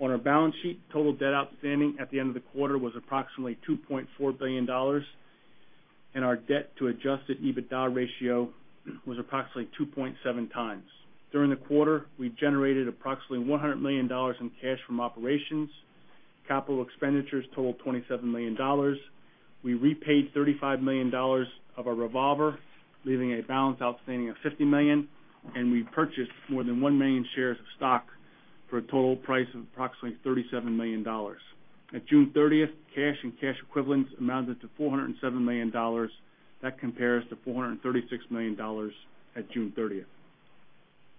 On our balance sheet, total debt outstanding at the end of the quarter was approximately $2.4 billion, and our debt to adjusted EBITDA ratio was approximately 2.7 times. During the quarter, we generated approximately $100 million in cash from operations. Capital expenditures totaled $27 million. We repaid $35 million of our revolver, leaving a balance outstanding of $50 million, and we purchased more than one million shares of stock for a total price of approximately $37 million. At June 30th, cash and cash equivalents amounted to $407 million. That compares to $436 million at June 30, 2011.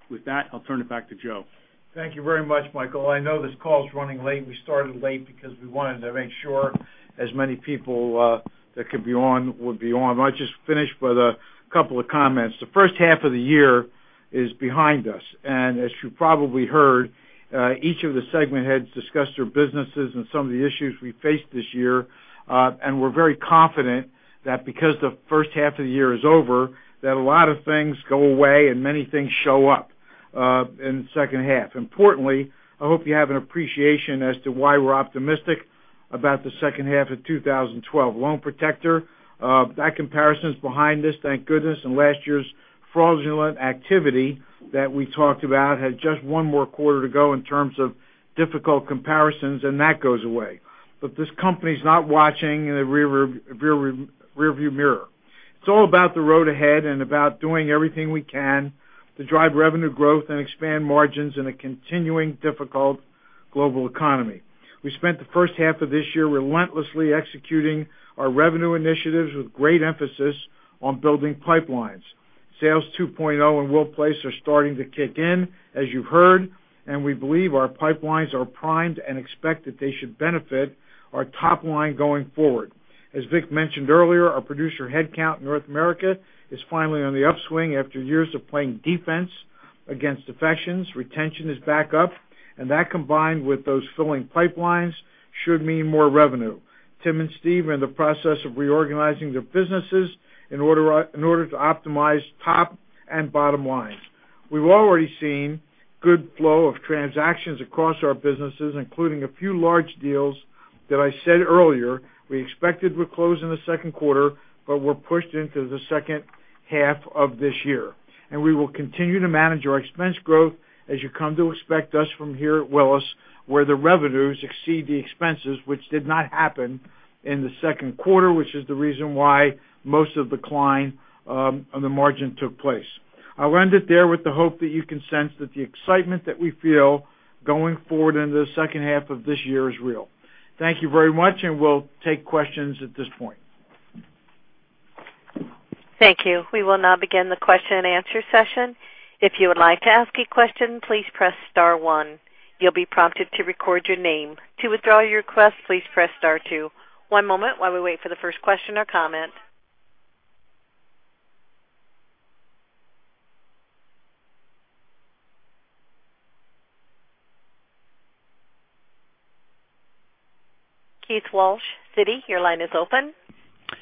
With that, I'll turn it back to Joe.
Thank you very much, Michael. I know this call is running late. We started late because we wanted to make sure as many people that could be on would be on. I'll just finish with a couple of comments. The first half of the year is behind us. As you probably heard, each of the segment heads discuss their businesses and some of the issues we faced this year. We're very confident that because the first half of the year is over, that a lot of things go away and many things show up in the second half. Importantly, I hope you have an appreciation as to why we're optimistic about the second half of 2012. Loan Protector, that comparison is behind us, thank goodness. Last year's fraudulent activity that we talked about had just one more quarter to go in terms of difficult comparisons, and that goes away. This company is not watching in the rear view mirror. It's all about the road ahead and about doing everything we can to drive revenue growth and expand margins in a continuing difficult global economy. We spent the first half of this year relentlessly executing our revenue initiatives with great emphasis on building pipelines. Sales 2.0 and Willis Place are starting to kick in, as you've heard. We believe our pipelines are primed and expect that they should benefit our top line going forward. As Vic mentioned earlier, our producer headcount in North America is finally on the upswing after years of playing defense against defections. Retention is back up, and that, combined with those filling pipelines, should mean more revenue. Tim and Steve are in the process of reorganizing their businesses in order to optimize top and bottom line. We've already seen good flow of transactions across our businesses, including a few large deals that I said earlier we expected would close in the second quarter, but were pushed into the second half of this year. We will continue to manage our expense growth as you come to expect us from here at Willis, where the revenues exceed the expenses, which did not happen in the second quarter, which is the reason why most of decline on the margin took place. I'll end it there with the hope that you can sense that the excitement that we feel going forward into the second half of this year is real. Thank you very much, we'll take questions at this point.
Thank you. We will now begin the question and answer session. If you would like to ask a question, please press star one. You'll be prompted to record your name. To withdraw your request, please press star two. One moment while we wait for the first question or comment. Keith Walsh, Citi, your line is open.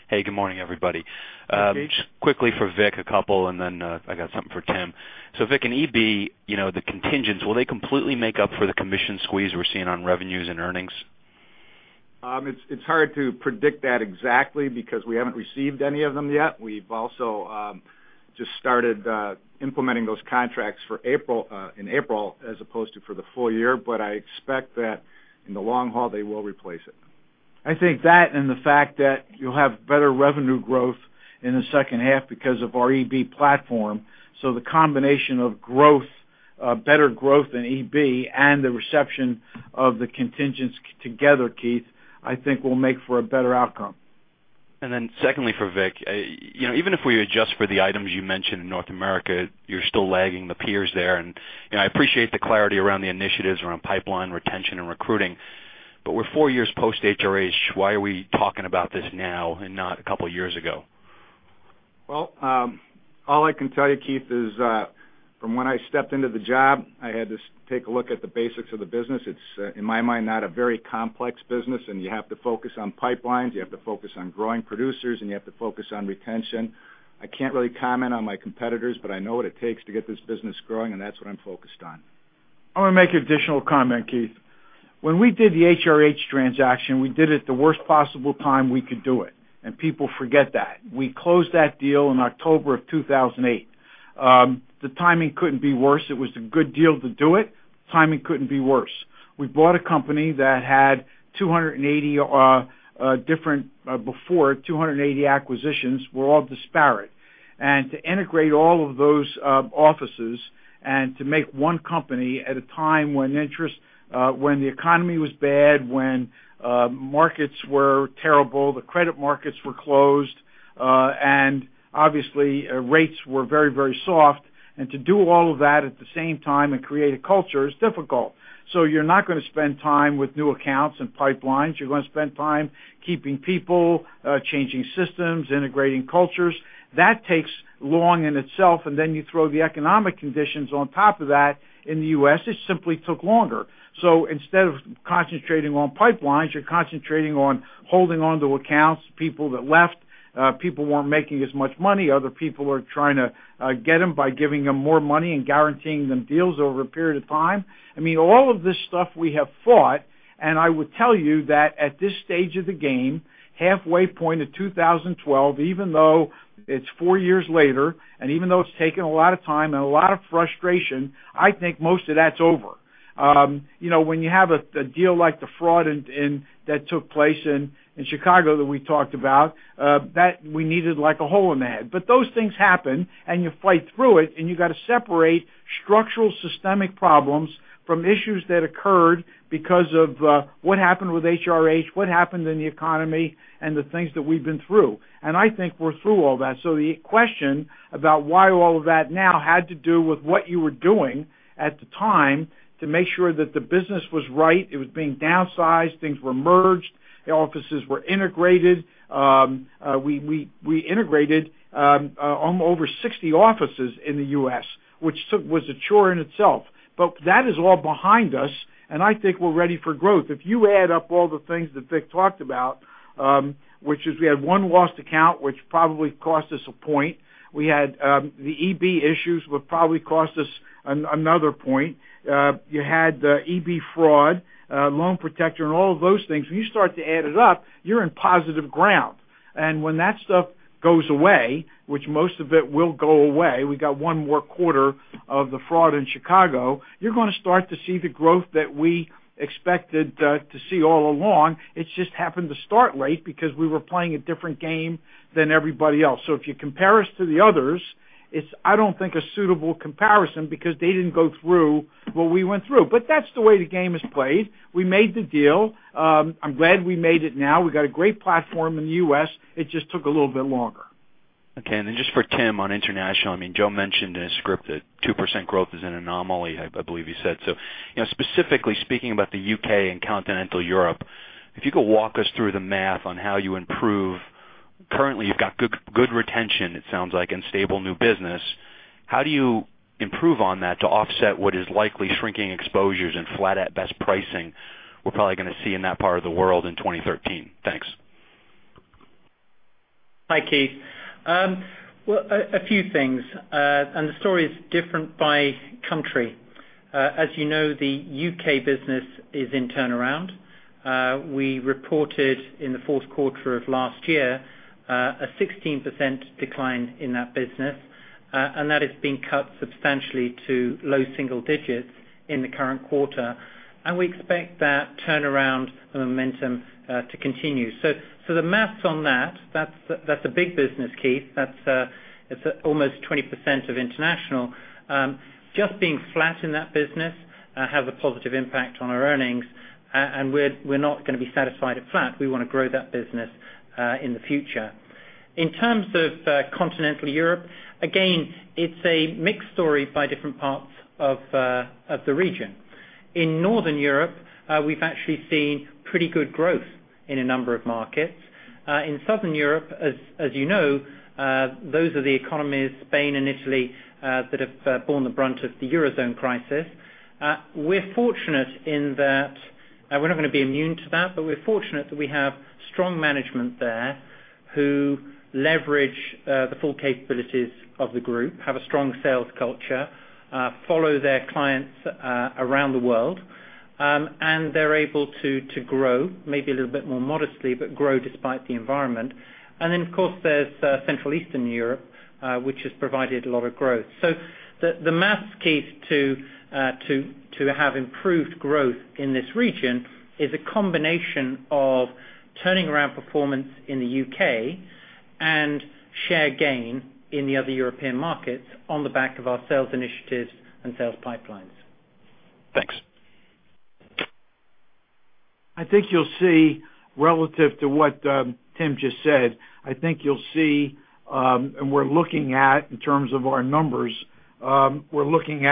Hey, good morning, everybody.
Hey, Keith.
Just quickly for Vic, a couple, then I got something for Tim. Vic, in EB, the contingents, will they completely make up for the commission squeeze we're seeing on revenues and earnings?
It's hard to predict that exactly because we haven't received any of them yet. We've also just started implementing those contracts in April as opposed to for the full year. I expect that in the long haul, they will replace it.
I think that and the fact that you'll have better revenue growth in the second half because of our EB platform. The combination of better growth in EB and the reception of the contingents together, Keith, I think will make for a better outcome.
Secondly, for Vic, even if we adjust for the items you mentioned in Willis North America, you're still lagging the peers there. I appreciate the clarity around the initiatives around pipeline retention and recruiting. We're 4 years post HRH. Why are we talking about this now and not a couple of years ago?
All I can tell you, Keith, is from when I stepped into the job, I had to take a look at the basics of the business. It's, in my mind, not a very complex business, you have to focus on pipelines, you have to focus on growing producers, you have to focus on retention. I can't really comment on my competitors, but I know what it takes to get this business growing, that's what I'm focused on.
I want to make an additional comment, Keith. When we did the HRH transaction, we did it the worst possible time we could do it, people forget that. We closed that deal in October of 2008. The timing couldn't be worse. It was a good deal to do it. Timing couldn't be worse. We bought a company that had, before, 280 acquisitions were all disparate. To integrate all of those offices and to make one company at a time when the economy was bad, when markets were terrible, the credit markets were closed, obviously rates were very, very soft. To do all of that at the same time and create a culture is difficult. You're not going to spend time with new accounts and pipelines. You're going to spend time keeping people, changing systems, integrating cultures. That takes long in itself, then you throw the economic conditions on top of that in the U.S., it simply took longer. Instead of concentrating on pipelines, you're concentrating on holding onto accounts, people that left, people weren't making as much money. Other people are trying to get them by giving them more money and guaranteeing them deals over a period of time. All of this stuff we have fought, I would tell you that at this stage of the game, halfway point of 2012, even though it's four years later, even though it's taken a lot of time and a lot of frustration, I think most of that's over. When you have a deal like the fraud that took place in Chicago that we talked about, that we needed like a hole in the head. Those things happen, you fight through it, you've got to separate structural systemic problems from issues that occurred because of what happened with HRH, what happened in the economy, the things that we've been through. I think we're through all that. The question about why all of that now had to do with what you were doing at the time to make sure that the business was right, it was being downsized, things were merged, the offices were integrated. We integrated over 60 offices in the U.S., which was a chore in itself. That is all behind us, I think we're ready for growth. If you add up all the things that Vic talked about, which is we had one lost account which probably cost us a point. We had the EB issues, would probably cost us another point. You had the EB fraud, Loan Protector, and all of those things. When you start to add it up, you're in positive ground. When that stuff goes away, which most of it will go away, we got one more quarter of the fraud in Chicago. You're going to start to see the growth that we expected to see all along. It just happened to start late because we were playing a different game than everybody else. If you compare us to the others, it's, I don't think, a suitable comparison because they didn't go through what we went through. That's the way the game is played. We made the deal. I'm glad we made it now. We got a great platform in the U.S. It just took a little bit longer.
Okay. Then just for Tim on international, Joe mentioned in his script that 2% growth is an anomaly, I believe he said so. Specifically speaking about the U.K. and continental Europe, if you could walk us through the math on how you improve. Currently, you've got good retention, it sounds like, and stable new business. How do you improve on that to offset what is likely shrinking exposures and flat at best pricing we're probably going to see in that part of the world in 2013? Thanks.
Hi, Keith. Well, a few things. The story is different by country. As you know, the U.K. business is in turnaround. We reported in the fourth quarter of last year a 16% decline in that business, and that has been cut substantially to low single digits in the current quarter. We expect that turnaround momentum to continue. The maths on that's a big business, Keith. That's almost 20% of international. Just being flat in that business has a positive impact on our earnings, and we're not going to be satisfied at flat. We want to grow that business in the future. In terms of continental Europe, again, it's a mixed story by different parts of the region. In Northern Europe, we've actually seen pretty good growth in a number of markets. In Southern Europe, as you know, those are the economies, Spain and Italy, that have borne the brunt of the Eurozone crisis. We're not going to be immune to that, but we're fortunate that we have strong management there who leverage the full capabilities of the group, have a strong sales culture, follow their clients around the world. They're able to grow, maybe a little bit more modestly, but grow despite the environment. Then, of course, there's Central Eastern Europe, which has provided a lot of growth. The maths, Keith, to have improved growth in this region is a combination of turning around performance in the U.K. and share gain in the other European markets on the back of our sales initiatives and sales pipelines.
Thanks.
I think you'll see, relative to what Tim just said, and we're looking at, in terms of our numbers, probably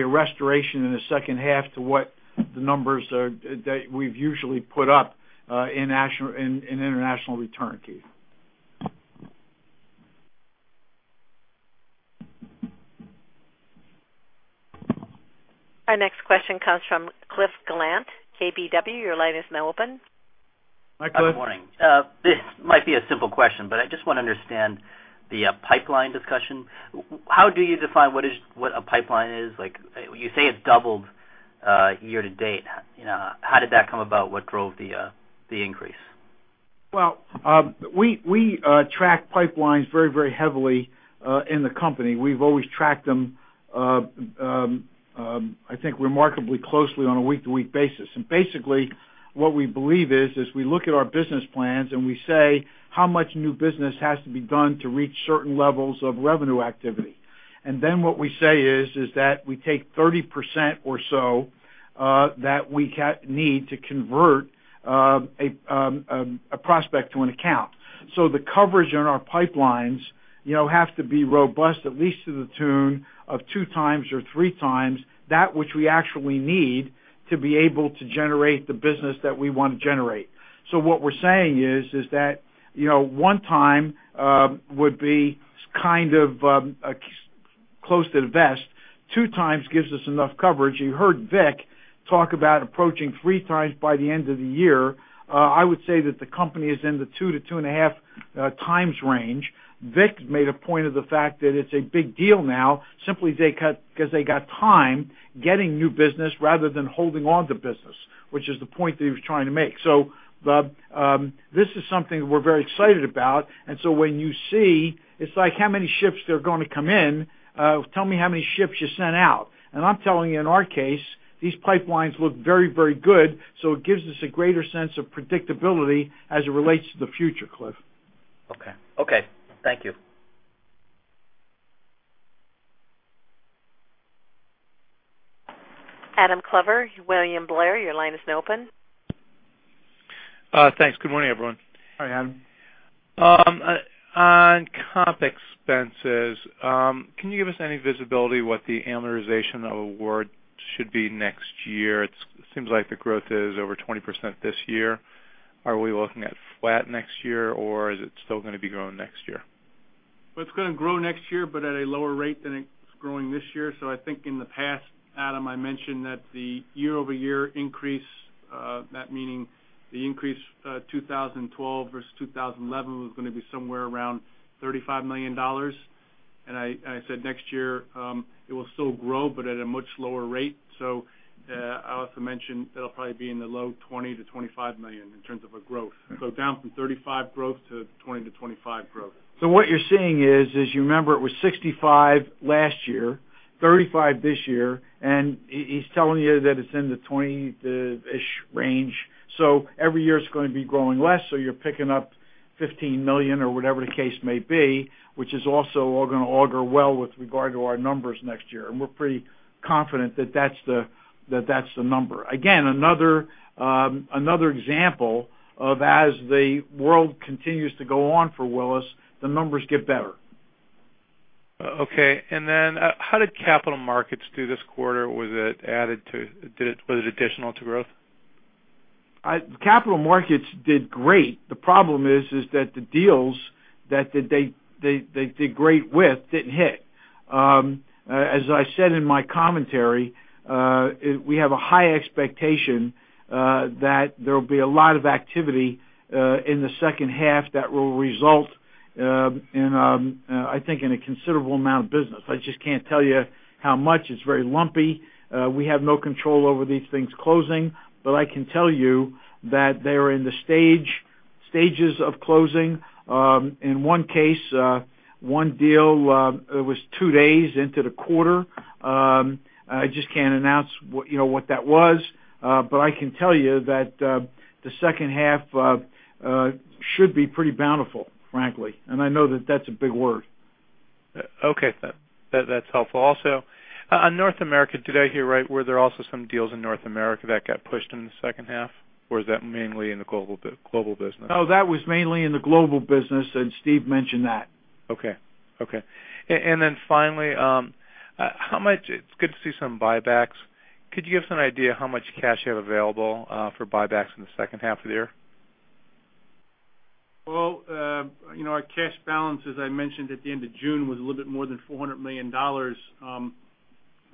a restoration in the second half to what the numbers that we've usually put up in Willis International return, Keith.
Our next question comes from Cliff Gallant, KBW. Your line is now open.
Hi, Cliff.
Good morning. I just want to understand the pipeline discussion. How do you define what a pipeline is? You say it doubled year to date. How did that come about? What drove the increase?
We track pipelines very heavily in the company. We've always tracked them, I think, remarkably closely on a week-to-week basis. What we believe is, we look at our business plans, and we say how much new business has to be done to reach certain levels of revenue activity. What we say is, that we take 30% or so that we need to convert a prospect to an account. The coverage on our pipelines has to be robust at least to the tune of two times or three times that which we actually need to be able to generate the business that we want to generate. What we're saying is that one time would be kind of close to the vest. Two times gives us enough coverage. You heard Vic talk about approaching three times by the end of the year. I would say that the company is in the two to two and a half times range. Vic made a point of the fact that it's a big deal now, simply because they got time getting new business rather than holding on to business, which is the point that he was trying to make. This is something we're very excited about, when you see, it's like how many ships they're going to come in, tell me how many ships you sent out. I'm telling you, in our case, these pipelines look very good, it gives us a greater sense of predictability as it relates to the future, Cliff.
Thank you.
Adam Klauber, William Blair, your line is now open.
Thanks. Good morning, everyone.
Hi, Adam.
On comp expenses, can you give us any visibility what the amortization award should be next year? It seems like the growth is over 20% this year. Are we looking at flat next year, or is it still going to be growing next year?
Well, it's going to grow next year, but at a lower rate than it's growing this year. I think in the past, Adam, I mentioned that the year-over-year increase, that meaning the increase 2012 versus 2011, was going to be somewhere around $35 million. I said next year, it will still grow, but at a much lower rate. I also mentioned that'll probably be in the low $20 million-$25 million in terms of a growth. Down from $35 growth to $20-$25 growth.
What you're seeing is, as you remember, it was 65 last year, 35 this year, and he's telling you that it's in the 20-ish range. Every year it's going to be growing less, you're picking up $15 million or whatever the case may be, which is also all going to augur well with regard to our numbers next year. We're pretty confident that that's the number. Again, another example of as the world continues to go on for Willis, the numbers get better.
Okay, how did capital markets do this quarter? Was it additional to growth?
Capital markets did great. The problem is that the deals that they did great with didn't hit. As I said in my commentary, we have a high expectation that there will be a lot of activity in the second half that will result in, I think, in a considerable amount of business. I just can't tell you how much. It's very lumpy. We have no control over these things closing, but I can tell you that they're in the stages of closing. In one case, one deal, it was two days into the quarter. I just can't announce what that was, but I can tell you that the second half should be pretty bountiful, frankly, and I know that that's a big word.
Okay. That's helpful. Also, on North America, did I hear right? Were there also some deals in North America that got pushed in the second half, or is that mainly in the global business?
No, that was mainly in the Willis Global business, and Steve mentioned that.
Okay. Finally, it's good to see some buybacks. Could you give us an idea how much cash you have available for buybacks in the second half of the year?
Well, our cash balance, as I mentioned at the end of June, was a little bit more than $400 million.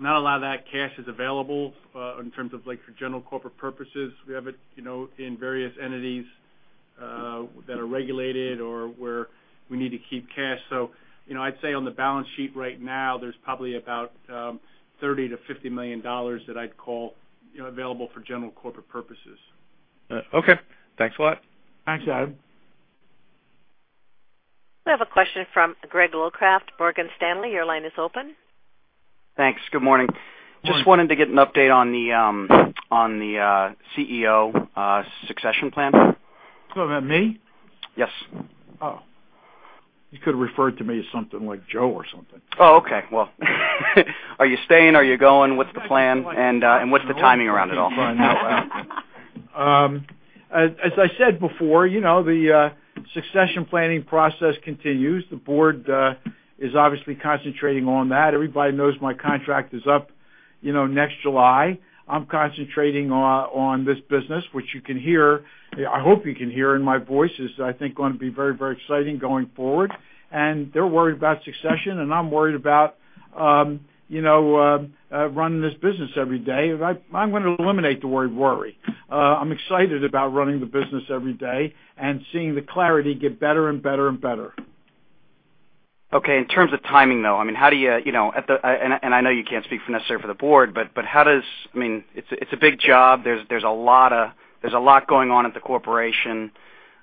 Not a lot of that cash is available in terms of for general corporate purposes. We have it in various entities that are regulated or where we need to keep cash. I'd say on the balance sheet right now, there's probably about $30 million-$50 million that I'd call available for general corporate purposes.
Okay. Thanks a lot.
Thanks, Adam.
We have a question from Greg Locraft, Morgan Stanley. Your line is open.
Thanks. Good morning.
Good morning.
Just wanted to get an update on the CEO succession plan.
Talking about me?
Yes.
Oh. You could've referred to me as something like Joe or something.
Oh, okay. Well, are you staying? Are you going? What's the plan, and what's the timing around it all?
As I said before, the succession planning process continues. The board is obviously concentrating on that. Everybody knows my contract is up next July. I am concentrating on this business, which you can hear, I hope you can hear in my voice, is I think going to be very exciting going forward. They are worried about succession, and I am worried about running this business every day. I am going to eliminate the word worry. I am excited about running the business every day and seeing the clarity get better and better.
Okay. In terms of timing, though, I know you cannot speak necessarily for the board, it is a big job. There is a lot going on at the corporation.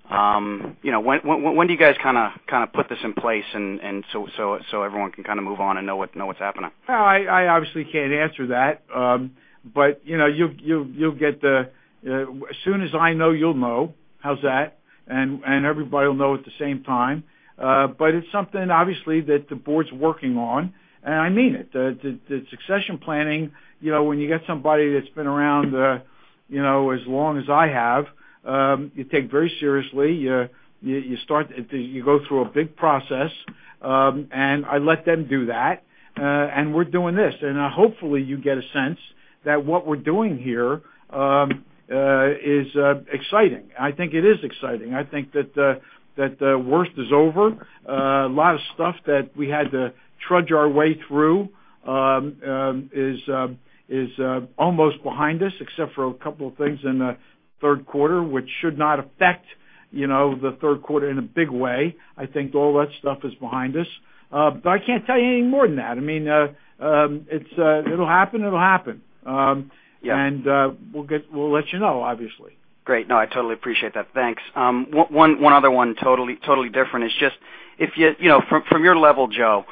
When do you guys put this in place so everyone can move on and know what is happening?
I obviously cannot answer that. As soon as I know, you will know. How is that? Everybody will know at the same time. It is something, obviously, that the board is working on, and I mean it. The succession planning, when you get somebody that has been around as long as I have, you take very seriously. You go through a big process, and I let them do that, and we are doing this. Hopefully, you get a sense that what we are doing here is exciting. I think it is exciting. I think that the worst is over. A lot of stuff that we had to trudge our way through is almost behind us, except for a couple of things in the third quarter, which should not affect the third quarter in a big way. I think all that stuff is behind us. I cannot tell you any more than that. It will happen. We will let you know, obviously.
Great. No, I totally appreciate that. Thanks. One other one, totally different. It's just, from your level, Joe.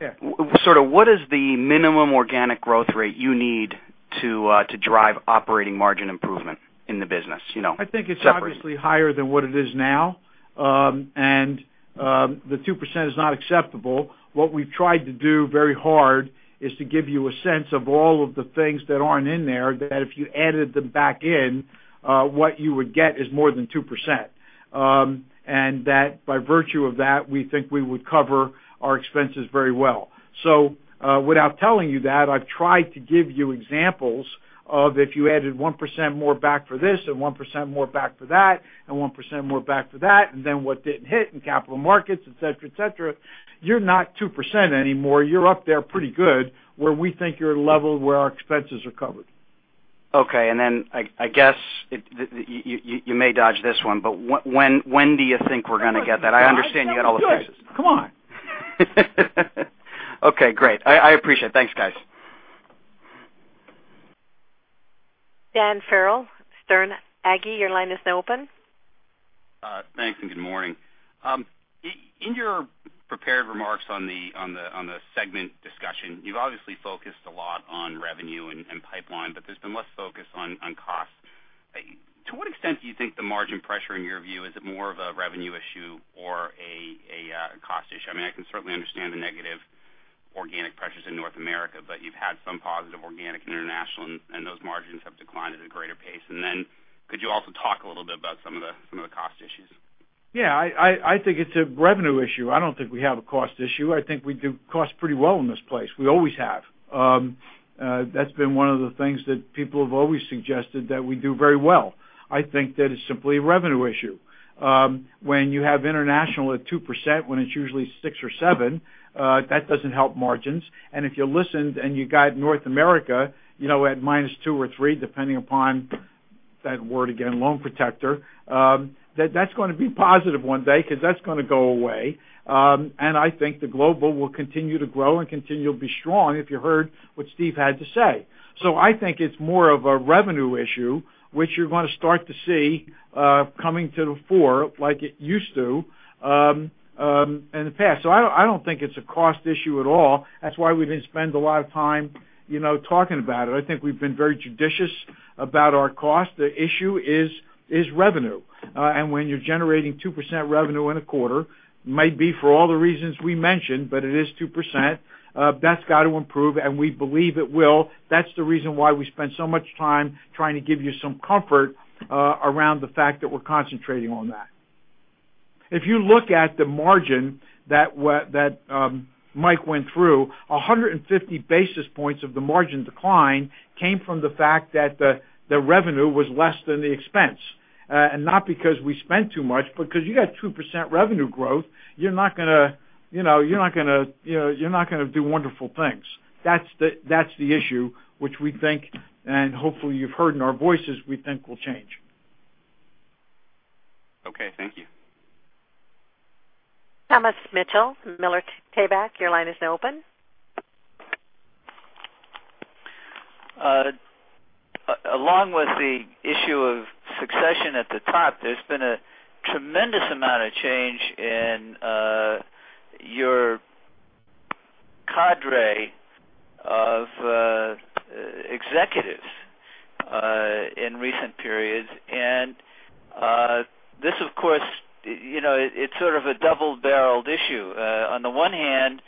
Yeah
What is the minimum organic growth rate you need to drive operating margin improvement in the business?
I think it's obviously higher than what it is now. The 2% is not acceptable. What we've tried to do very hard is to give you a sense of all of the things that aren't in there, that if you added them back in, what you would get is more than 2%. That by virtue of that, we think we would cover our expenses very well. Without telling you that, I've tried to give you examples of if you added 1% more back for this and 1% more back for that, and 1% more back for that, and then what didn't hit in capital markets, et cetera. You're not 2% anymore. You're up there pretty good, where we think you're at a level where our expenses are covered.
Okay. I guess you may dodge this one, but when do you think we're going to get that? I understand you can't always-
I said we'd do it. Come on.
Okay, great. I appreciate it. Thanks, guys.
Daniel Farrell, Sterne Agee, your line is now open.
Thanks, and good morning. In your prepared remarks on the segment discussion, you've obviously focused a lot on revenue and pipeline, but there's been less focus on costs. To what extent do you think the margin pressure, in your view, is it more of a revenue issue or a cost issue? I can certainly understand the negative organic pressures in North America, but you've had some positive organic International, and those margins have declined at a greater pace. Then could you also talk a little bit about some of the cost issues?
I think it's a revenue issue. I don't think we have a cost issue. I think we do cost pretty well in this place. We always have. That's been one of the things that people have always suggested that we do very well. I think that it's simply a revenue issue. When you have International at 2%, when it's usually 6 or 7, that doesn't help margins. If you listened and you got North America, at -2 or -3, depending upon that word again, Loan Protector, that's going to be positive one day because that's going to go away. I think the Global will continue to grow and continue to be strong if you heard what Steve had to say. I think it's more of a revenue issue, which you're going to start to see coming to the fore like it used to in the past. I don't think it's a cost issue at all. That's why we didn't spend a lot of time talking about it. I think we've been very judicious about our cost. The issue is revenue. When you're generating 2% revenue in a quarter, might be for all the reasons we mentioned, but it is 2%, that's got to improve, and we believe it will. That's the reason why we spend so much time trying to give you some comfort around the fact that we're concentrating on that. If you look at the margin that Mike went through, 150 basis points of the margin decline came from the fact that the revenue was less than the expense. Not because we spent too much, because you got 2% revenue growth, you're not going to do wonderful things. That's the issue, which we think, and hopefully you've heard in our voices, we think will change.
Okay, thank you.
Thomas Mitchell, Miller Tabak, your line is now open.
Along with the issue of succession at the top, there's been a tremendous amount of change in your cadre of executives in recent periods. This, of course, it's sort of a double-barreled issue. On the one hand,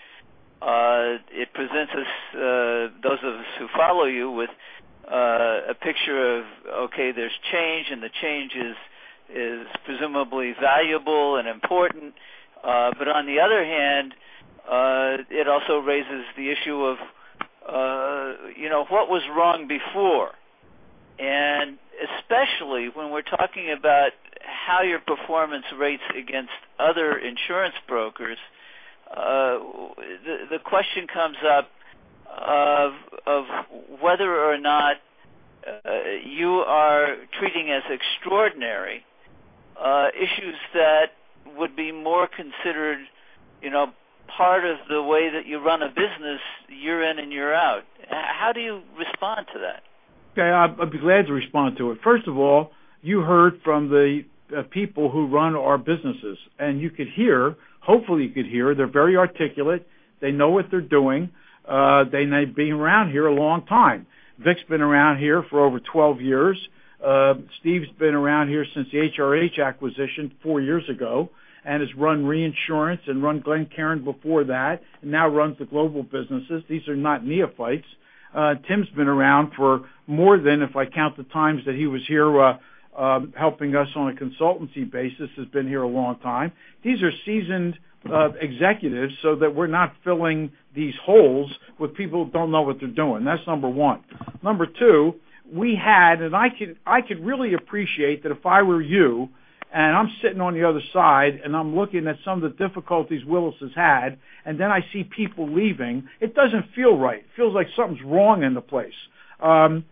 it presents those of us who follow you with a picture of, okay, there's change, and the change is presumably valuable and important. On the other hand, it also raises the issue of what was wrong before. Especially when we're talking about how your performance rates against other insurance brokers, the question comes up whether or not you are treating as extraordinary issues that would be more considered part of the way that you run a business year in and year out. How do you respond to that?
Yeah, I'd be glad to respond to it. First of all, you heard from the people who run our businesses, and you could hear, hopefully you could hear, they're very articulate. They know what they're doing. They've been around here a long time. Vic's been around here for over 12 years. Steve's been around here since the HRH acquisition four years ago and has run reinsurance and run Glencairn before that, and now runs the global businesses. These are not neophytes. Tim's been around for more than, if I count the times that he was here, helping us on a consultancy basis, has been here a long time. These are seasoned executives, so that we're not filling these holes with people who don't know what they're doing. That's number one. Number two, we had, and I could really appreciate that if I were you, and I'm sitting on the other side, and I'm looking at some of the difficulties Willis has had, and then I see people leaving, it doesn't feel right. It feels like something's wrong in the place. I'm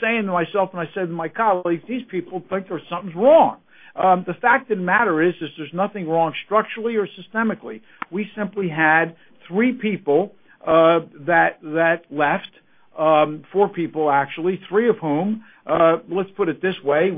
saying to myself, and I said to my colleagues, "These people think there's something's wrong." The fact of the matter is there's nothing wrong structurally or systemically. We simply had three people that left. Four people actually. Three of whom, let's put it this way,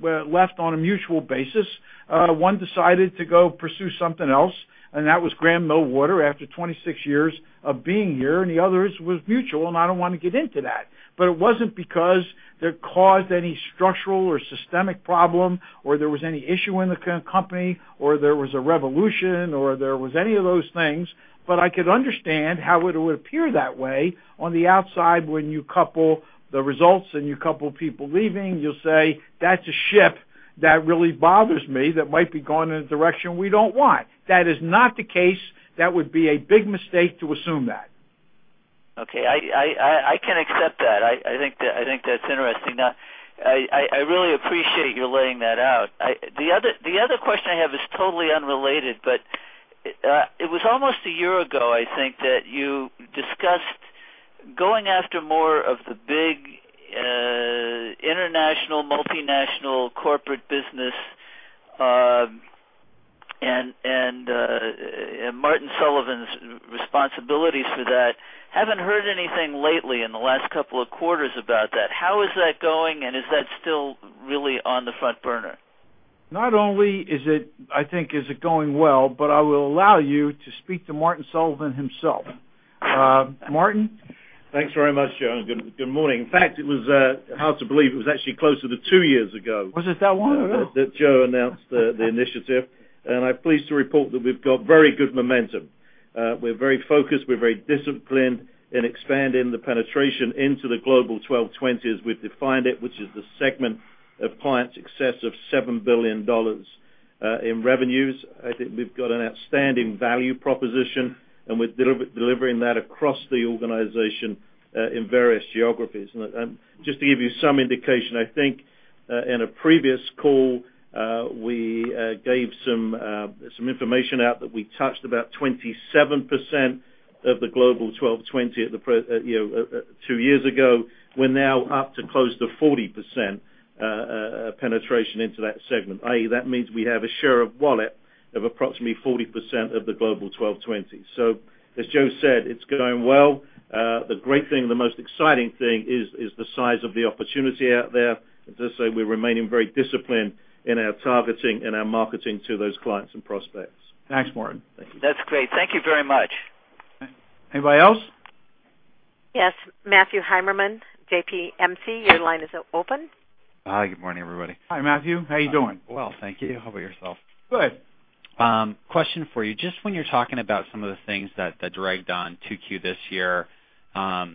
left on a mutual basis. One decided to go pursue something else, and that was Grahame Millwater after 26 years of being here, the others was mutual, and I don't want to get into that. It wasn't because that caused any structural or systemic problem, or there was any issue in the company, or there was a revolution, or there was any of those things. I could understand how it would appear that way on the outside when you couple the results and you couple people leaving. You'll say, "That's a ship that really bothers me, that might be going in a direction we don't want." That is not the case. That would be a big mistake to assume that.
Okay. I can accept that. I think that's interesting. Now, I really appreciate you laying that out. The other question I have is totally unrelated, but it was almost a year ago, I think, that you discussed going after more of the big international, multinational corporate business, and Martin Sullivan's responsibilities for that. Haven't heard anything lately in the last couple of quarters about that. How is that going, and is that still really on the front burner?
Not only is it going well, I will allow you to speak to Martin Sullivan himself. Martin?
Thanks very much, Joe, and good morning. In fact, it was hard to believe it was actually closer to two years ago.
Was it that long ago?
Joe announced the initiative. I'm pleased to report that we've got very good momentum. We're very focused, we're very disciplined in expanding the penetration into the Global 1,220 as we've defined it, which is the segment of clients excess of $7 billion in revenues. I think we've got an outstanding value proposition. We're delivering that across the organization, in various geographies. Just to give you some indication, I think, in a previous call, we gave some information out that we touched about 27% of the Global 1,220 two years ago. We're now up to close to 40% penetration into that segment. I.e., that means we have a share of wallet of approximately 40% of the Global 1,220. As Joe said, it's going well. The great thing and the most exciting thing is the size of the opportunity out there. As I say, we're remaining very disciplined in our targeting and our marketing to those clients and prospects.
Thanks, Martin.
Thank you.
That's great. Thank you very much.
Anybody else?
Yes, Matthew Heimermann, JPMC, your line is open.
Hi, good morning, everybody.
Hi, Matthew. How are you doing?
Well, thank you. How about yourself?
Good.
Question for you. Just when you're talking about some of the things that dragged on 2Q this year, are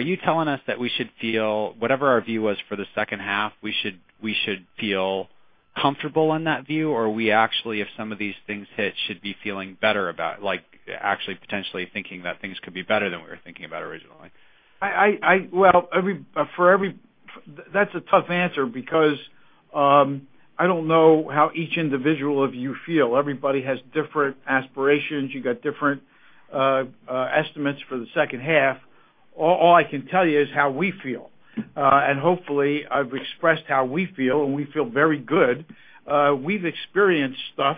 you telling us that we should feel whatever our view was for the second half, we should feel comfortable in that view? Or we actually, if some of these things hit, should be feeling better about, like, actually potentially thinking that things could be better than we were thinking about originally?
That's a tough answer because, I don't know how each individual of you feel. Everybody has different aspirations. You got different estimates for the second half. All I can tell you is how we feel. Hopefully, I've expressed how we feel, and we feel very good. We've experienced stuff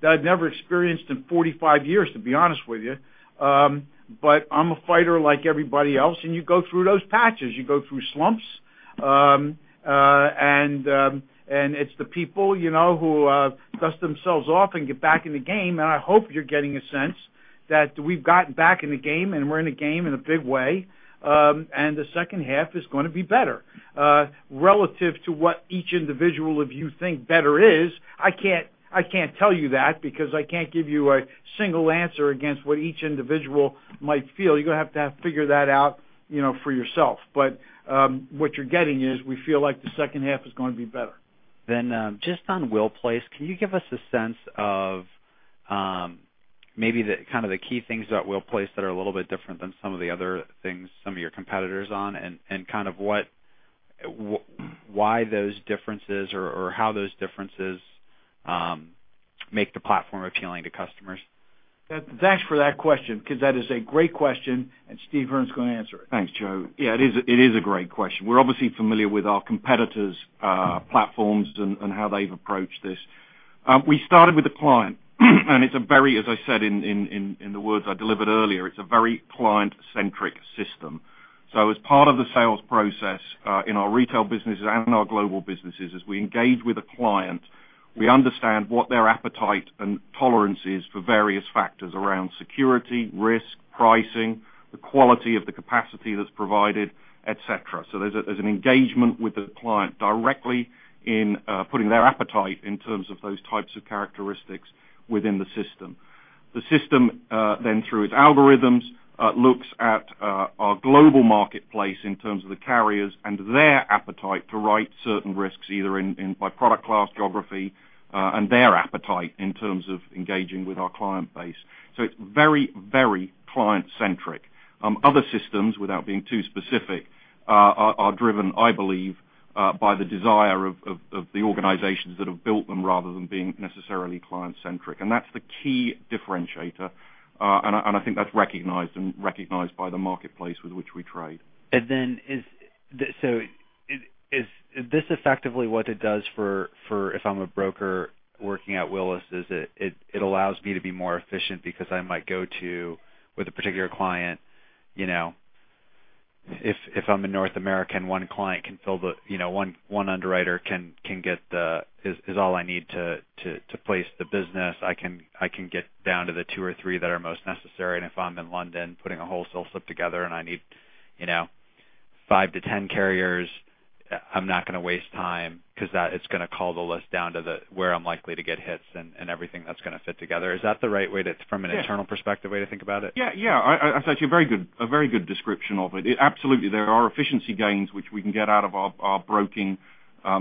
that I've never experienced in 45 years, to be honest with you. I'm a fighter like everybody else, and you go through those patches. You go through slumps. It's the people who dust themselves off and get back in the game. I hope you're getting a sense that we've gotten back in the game, and we're in the game in a big way. The second half is going to be better. Relative to what each individual of you think better is, I can't tell you that because I can't give you a single answer against what each individual might feel. You're going to have to figure that out for yourself. What you're getting is we feel like the second half is going to be better.
Just on Willis Place, can you give us a sense of maybe kind of the key things about Willis Place that are a little bit different than some of the other things some of your competitors on, and why those differences or how those differences make the platform appealing to customers?
Thanks for that question, because that is a great question, and Steve Hearn is going to answer it.
Thanks, Joe. Yeah, it is a great question. We're obviously familiar with our competitors' platforms and how they've approached this. We started with the client, and it's a very, as I said in the words I delivered earlier, it's a very client-centric system. As part of the sales process, in our retail businesses and in our Global businesses, as we engage with a client, we understand what their appetite and tolerance is for various factors around security, risk, pricing, the quality of the capacity that's provided, et cetera. There's an engagement with the client directly in putting their appetite in terms of those types of characteristics within the system. The system, through its algorithms, looks at our global marketplace in terms of the carriers and their appetite to write certain risks, either by product class, geography, and their appetite in terms of engaging with our client base. It's very client-centric. Other systems, without being too specific, are driven, I believe, by the desire of the organizations that have built them rather than being necessarily client-centric. That's the key differentiator, and I think that's recognized by the marketplace with which we trade.
Is this effectively what it does for if I'm a broker working at Willis, it allows me to be more efficient because I might go to with a particular client. If I'm in North America and one underwriter is all I need to place the business, I can get down to the two or three that are most necessary. If I'm in London putting a wholesale slip together and I need five to 10 carriers, I'm not going to waste time because it's going to call the list down to where I'm likely to get hits and everything that's going to fit together. Is that the right way, from an internal perspective, to think about it?
Yeah. I'd say to you, a very good description of it. Absolutely. There are efficiency gains which we can get out of our broking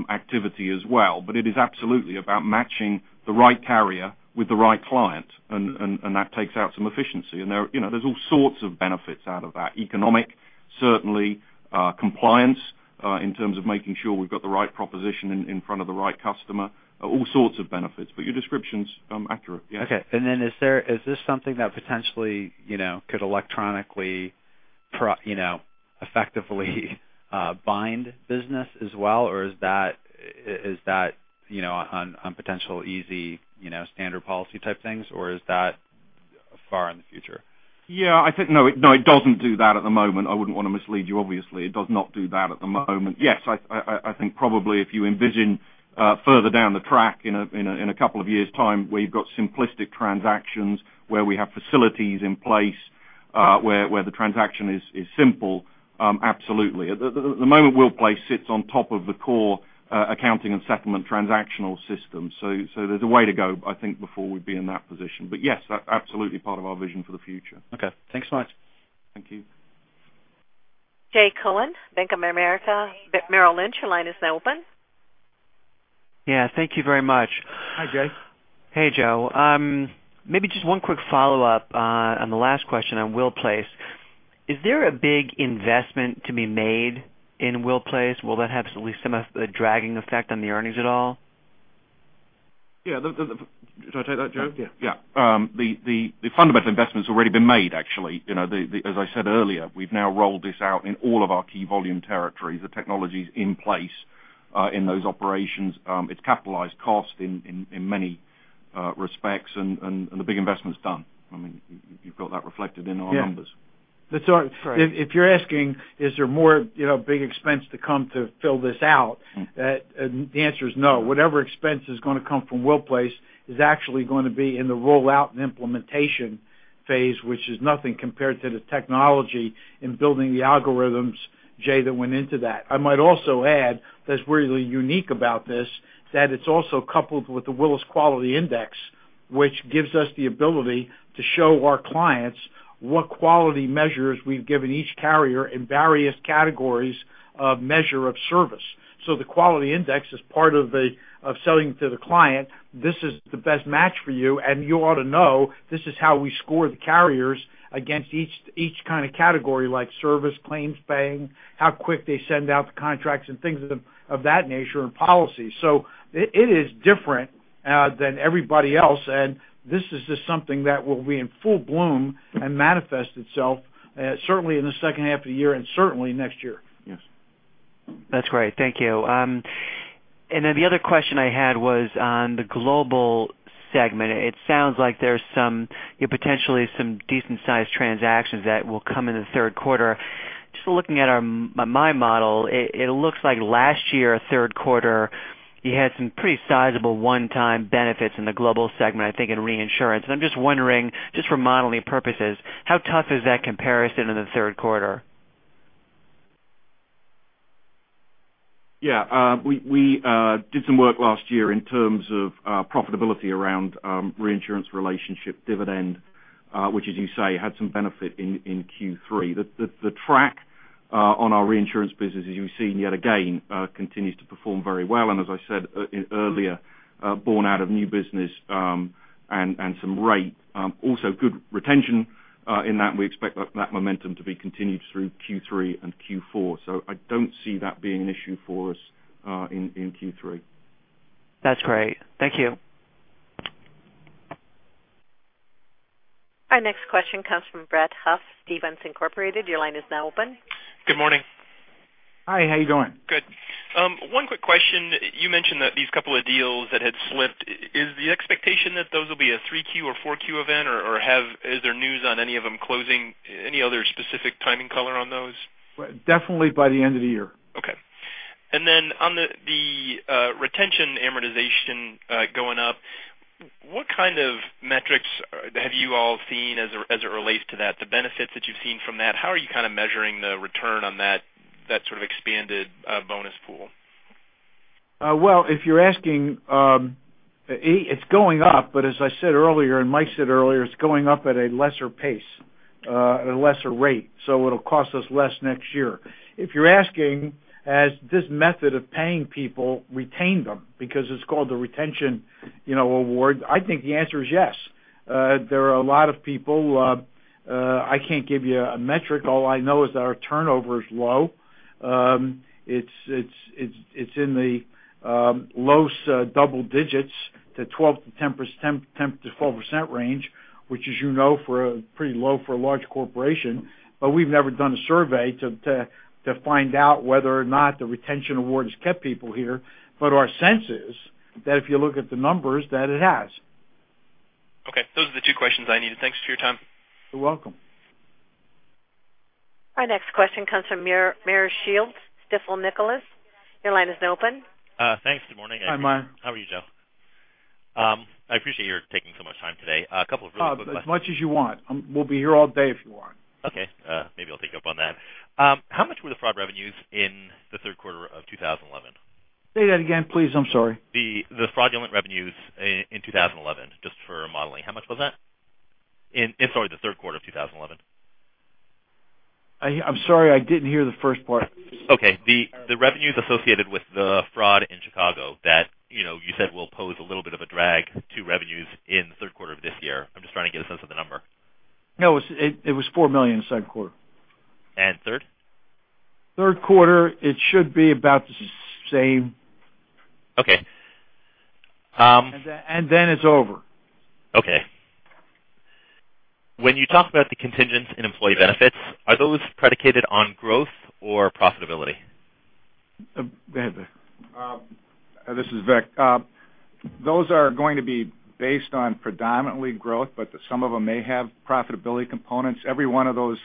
activity as well. It is absolutely about matching the right carrier with the right client, and that takes out some efficiency. There's all sorts of benefits out of that. Economic, certainly, compliance, in terms of making sure we've got the right proposition in front of the right customer. All sorts of benefits. Your description's accurate, yes.
Okay. Is this something that potentially, could electronically, effectively bind business as well? Or is that on potential easy, standard policy type things, or is that far in the future?
Yeah. I think, no, it doesn't do that at the moment. I wouldn't want to mislead you, obviously. It does not do that at the moment. Yes, I think probably if you envision further down the track in a couple of years' time, where you've got simplistic transactions, where we have facilities in place, where the transaction is simple, absolutely. At the moment, Willis Place sits on top of the core accounting and settlement transactional system. There's a way to go, I think, before we'd be in that position. Yes, absolutely part of our vision for the future.
Okay. Thanks a lot.
Thank you.
Jay Cohen, Bank of America, Merrill Lynch, your line is now open.
Yeah, thank you very much.
Hi, Jay.
Hey, Joe. Maybe just one quick follow-up on the last question on Willis Place. Is there a big investment to be made in Willis Place? Will that have at least some dragging effect on the earnings at all?
Yeah. Should I take that, Joe?
Yeah.
Yeah. The fundamental investment's already been made, actually. As I said earlier, we've now rolled this out in all of our key volume territories. The technology's in place, in those operations. It's capitalized cost in many respects, and the big investment's done. You've got that reflected in our numbers.
Yeah. If you're asking, is there more big expense to come to fill this out? The answer is no. Whatever expense is going to come from Willis Place is actually going to be in the rollout and implementation phase, which is nothing compared to the technology in building the algorithms, Jay, that went into that. I might also add, that's really unique about this, that it's also coupled with the Willis Quality Index, which gives us the ability to show our clients what quality measures we've given each carrier in various categories of measure of service. The quality index is part of selling to the client. This is the best match for you, and you ought to know this is how we score the carriers against each kind of category, like service, claims, paying, how quick they send out the contracts and things of that nature and policy. It is different than everybody else, and this is just something that will be in full bloom and manifest itself certainly in the second half of the year and certainly next year.
Yes.
That's great. Thank you. The other question I had was on the global segment. It sounds like there's potentially some decent-sized transactions that will come in the third quarter. Just looking at my model, it looks like last year, third quarter, you had some pretty sizable one-time benefits in the global segment, I think, in reinsurance. I'm just wondering, just for modeling purposes, how tough is that comparison in the third quarter?
We did some work last year in terms of profitability around reinsurance relationship dividend, which as you say, had some benefit in Q3. The track on our reinsurance business, as you've seen yet again, continues to perform very well. As I said earlier, born out of new business, and some rate. Also good retention, in that we expect that momentum to be continued through Q3 and Q4. I don't see that being an issue for us in Q3.
That's great. Thank you.
Our next question comes from Brett Huff, Stephens Inc. Your line is now open.
Good morning.
Hi, how you doing?
Good. One quick question. You mentioned that these couple of deals that had slipped, is the expectation that those will be a 3Q or 4Q event, or is there news on any of them closing, any other specific timing color on those?
Definitely by the end of the year.
Okay. On the retention amortization going up, what kind of metrics have you all seen as it relates to that, the benefits that you've seen from that? How are you kind of measuring the return on that sort of expanded bonus pool?
Well, if you're asking, it's going up, as I said earlier, and Mike said earlier, it's going up at a lesser pace, at a lesser rate, it'll cost us less next year. If you're asking, has this method of paying people retained them because it's called the retention award, I think the answer is yes. There are a lot of people. I can't give you a metric. All I know is that our turnover is low. It's in the lowest double digits to 4%-12% range, which as you know, pretty low for a large corporation. We've never done a survey to find out whether or not the retention award has kept people here. Our sense is that if you look at the numbers, that it has.
Okay. Those are the two questions I needed. Thanks for your time.
You're welcome.
Our next question comes from Meyer Shields, Stifel Nicolaus. Your line is open.
Thanks. Good morning.
Hi, Meyer.
How are you, Joe? I appreciate your taking so much time today. A couple of really quick questions.
As much as you want. We'll be here all day if you want.
Okay. Maybe I'll take up on that. How much were the fraud revenues in the third quarter of 2011?
Say that again, please. I'm sorry.
The fraudulent revenues in 2011, just for modeling, how much was that? In, sorry, the third quarter of 2011.
I'm sorry, I didn't hear the first part.
Okay. The revenues associated with the fraud in Chicago that you said will pose a little bit of a drag to revenues in the third quarter of this year. I'm just trying to get a sense of the number.
No, it was $4 million second quarter.
Third?
Third quarter, it should be about the same.
Okay.
It's over.
Okay. When you talk about the contingents in employee benefits, are those predicated on growth or profitability?
Go ahead, Vic.
This is Vic. Those are going to be based on predominantly growth, but some of them may have profitability components. Every one of those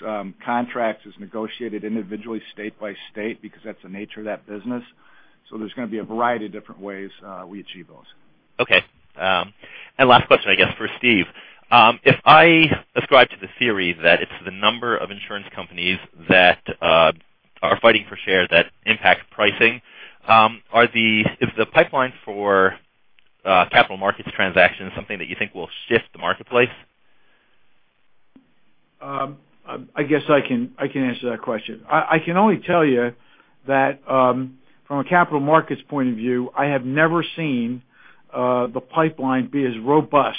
contracts is negotiated individually state by state because that's the nature of that business. There's going to be a variety of different ways we achieve those.
Okay. Last question, I guess, for Steve. If I ascribe to the theory that it's the number of insurance companies that are fighting for share that impact pricing, is the pipeline for capital markets transactions something that you think will shift the marketplace?
I guess I can answer that question. I can only tell you that, from a capital markets point of view, I have never seen the pipeline be as robust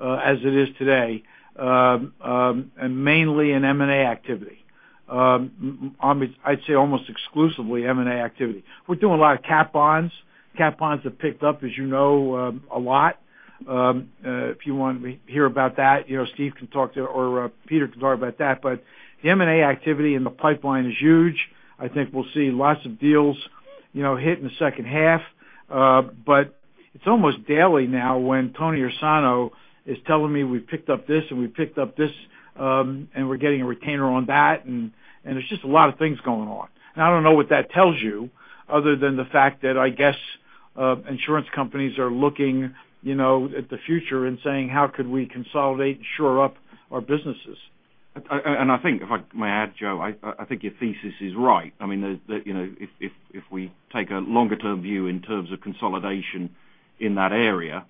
as it is today, and mainly in M&A activity. I'd say almost exclusively M&A activity. We're doing a lot of cat bonds. Cat bonds have picked up, as you know, a lot. If you want to hear about that, Steve can talk to, or Peter can talk about that. The M&A activity in the pipeline is huge. I think we'll see lots of deals hit in the second half. It's almost daily now when Tony Ursano is telling me we've picked up this and we've picked up this, and we're getting a retainer on that, and there's just a lot of things going on. I don't know what that tells you other than the fact that I guess insurance companies are looking at the future and saying, how could we consolidate and shore up our businesses?
I think, if I may add, Joe, I think your thesis is right. If we take a longer-term view in terms of consolidation in that area,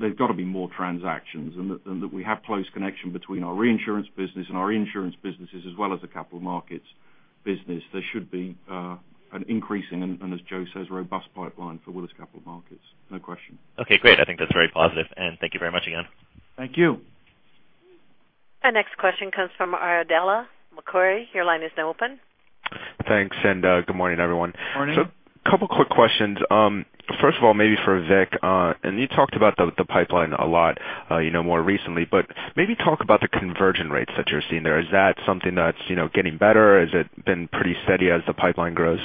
there's got to be more transactions, and that we have close connection between our reinsurance business and our insurance businesses as well as the capital markets business. There should be an increasing, and as Joe says, robust pipeline for Willis Capital Markets. No question.
Okay, great. I think that's very positive, and thank you very much again.
Thank you.
Our next question comes from Ardella McCory. Your line is now open.
Thanks, good morning, everyone.
Morning.
A couple quick questions. First of all, maybe for Vic, you talked about the pipeline a lot more recently, maybe talk about the conversion rates that you're seeing there. Is that something that's getting better? Has it been pretty steady as the pipeline grows?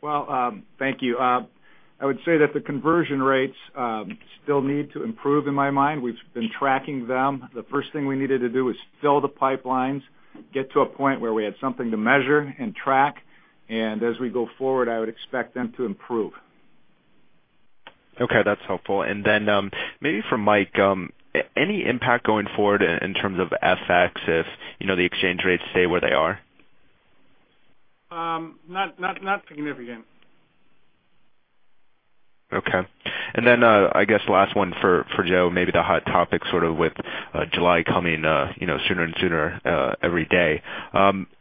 Well, thank you. I would say that the conversion rates still need to improve in my mind. We've been tracking them. The first thing we needed to do is fill the pipelines, get to a point where we had something to measure and track. As we go forward, I would expect them to improve.
Okay, that's helpful. Maybe for Mike, any impact going forward in terms of FX if the exchange rates stay where they are?
Not significant.
Okay. I guess last one for Joe, maybe the hot topic sort of with July coming sooner and sooner every day.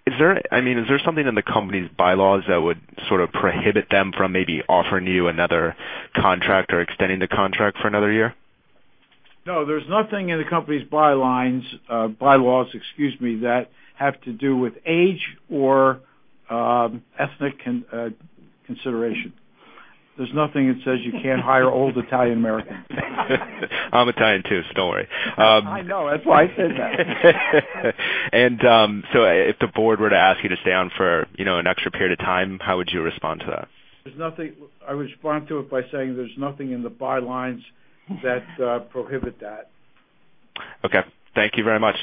Is there something in the company's bylaws that would sort of prohibit them from maybe offering you another contract or extending the contract for another year?
No, there's nothing in the company's bylaws that have to do with age or ethnic consideration. There's nothing that says you can't hire old Italian Americans.
I'm Italian too, don't worry.
I know. That's why I said that.
If the board were to ask you to stay on for an extra period of time, how would you respond to that?
I would respond to it by saying there's nothing in the bylaws that prohibit that.
Okay. Thank you very much.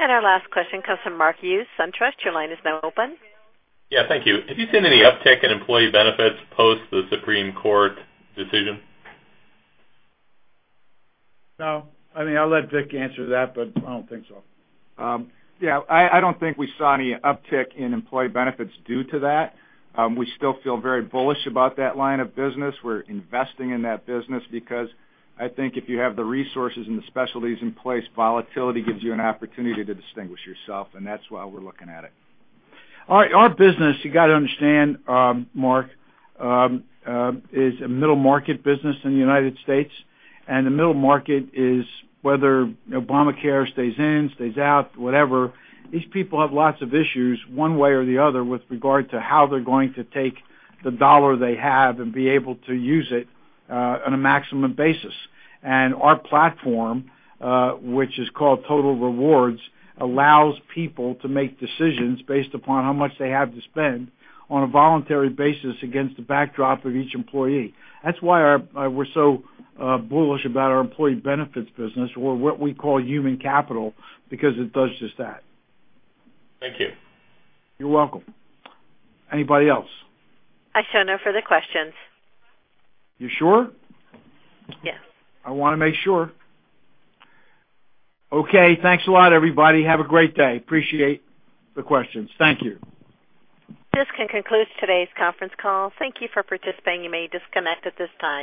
Our last question comes from Mark Hughes, SunTrust. Your line is now open.
Yeah, thank you. Have you seen any uptick in employee benefits post the Supreme Court decision?
No. I'll let Vic answer that, but I don't think so.
Yeah, I don't think we saw any uptick in employee benefits due to that. We still feel very bullish about that line of business. We're investing in that business because I think if you have the resources and the specialties in place, volatility gives you an opportunity to distinguish yourself, and that's why we're looking at it.
Our business, you got to understand, Mark, is a middle-market business in the U.S. The middle market is whether Obamacare stays in, stays out, whatever. These people have lots of issues one way or the other with regard to how they're going to take the dollar they have and be able to use it on a maximum basis. Our platform, which is called Total Rewards, allows people to make decisions based upon how much they have to spend on a voluntary basis against the backdrop of each employee. That's why we're so bullish about our employee benefits business or what we call human capital, because it does just that.
Thank you.
You're welcome. Anybody else?
I show no further questions.
You sure?
Yes.
I want to make sure. Okay. Thanks a lot, everybody. Have a great day. Appreciate the questions. Thank you.
This concludes today's conference call. Thank you for participating. You may disconnect at this time.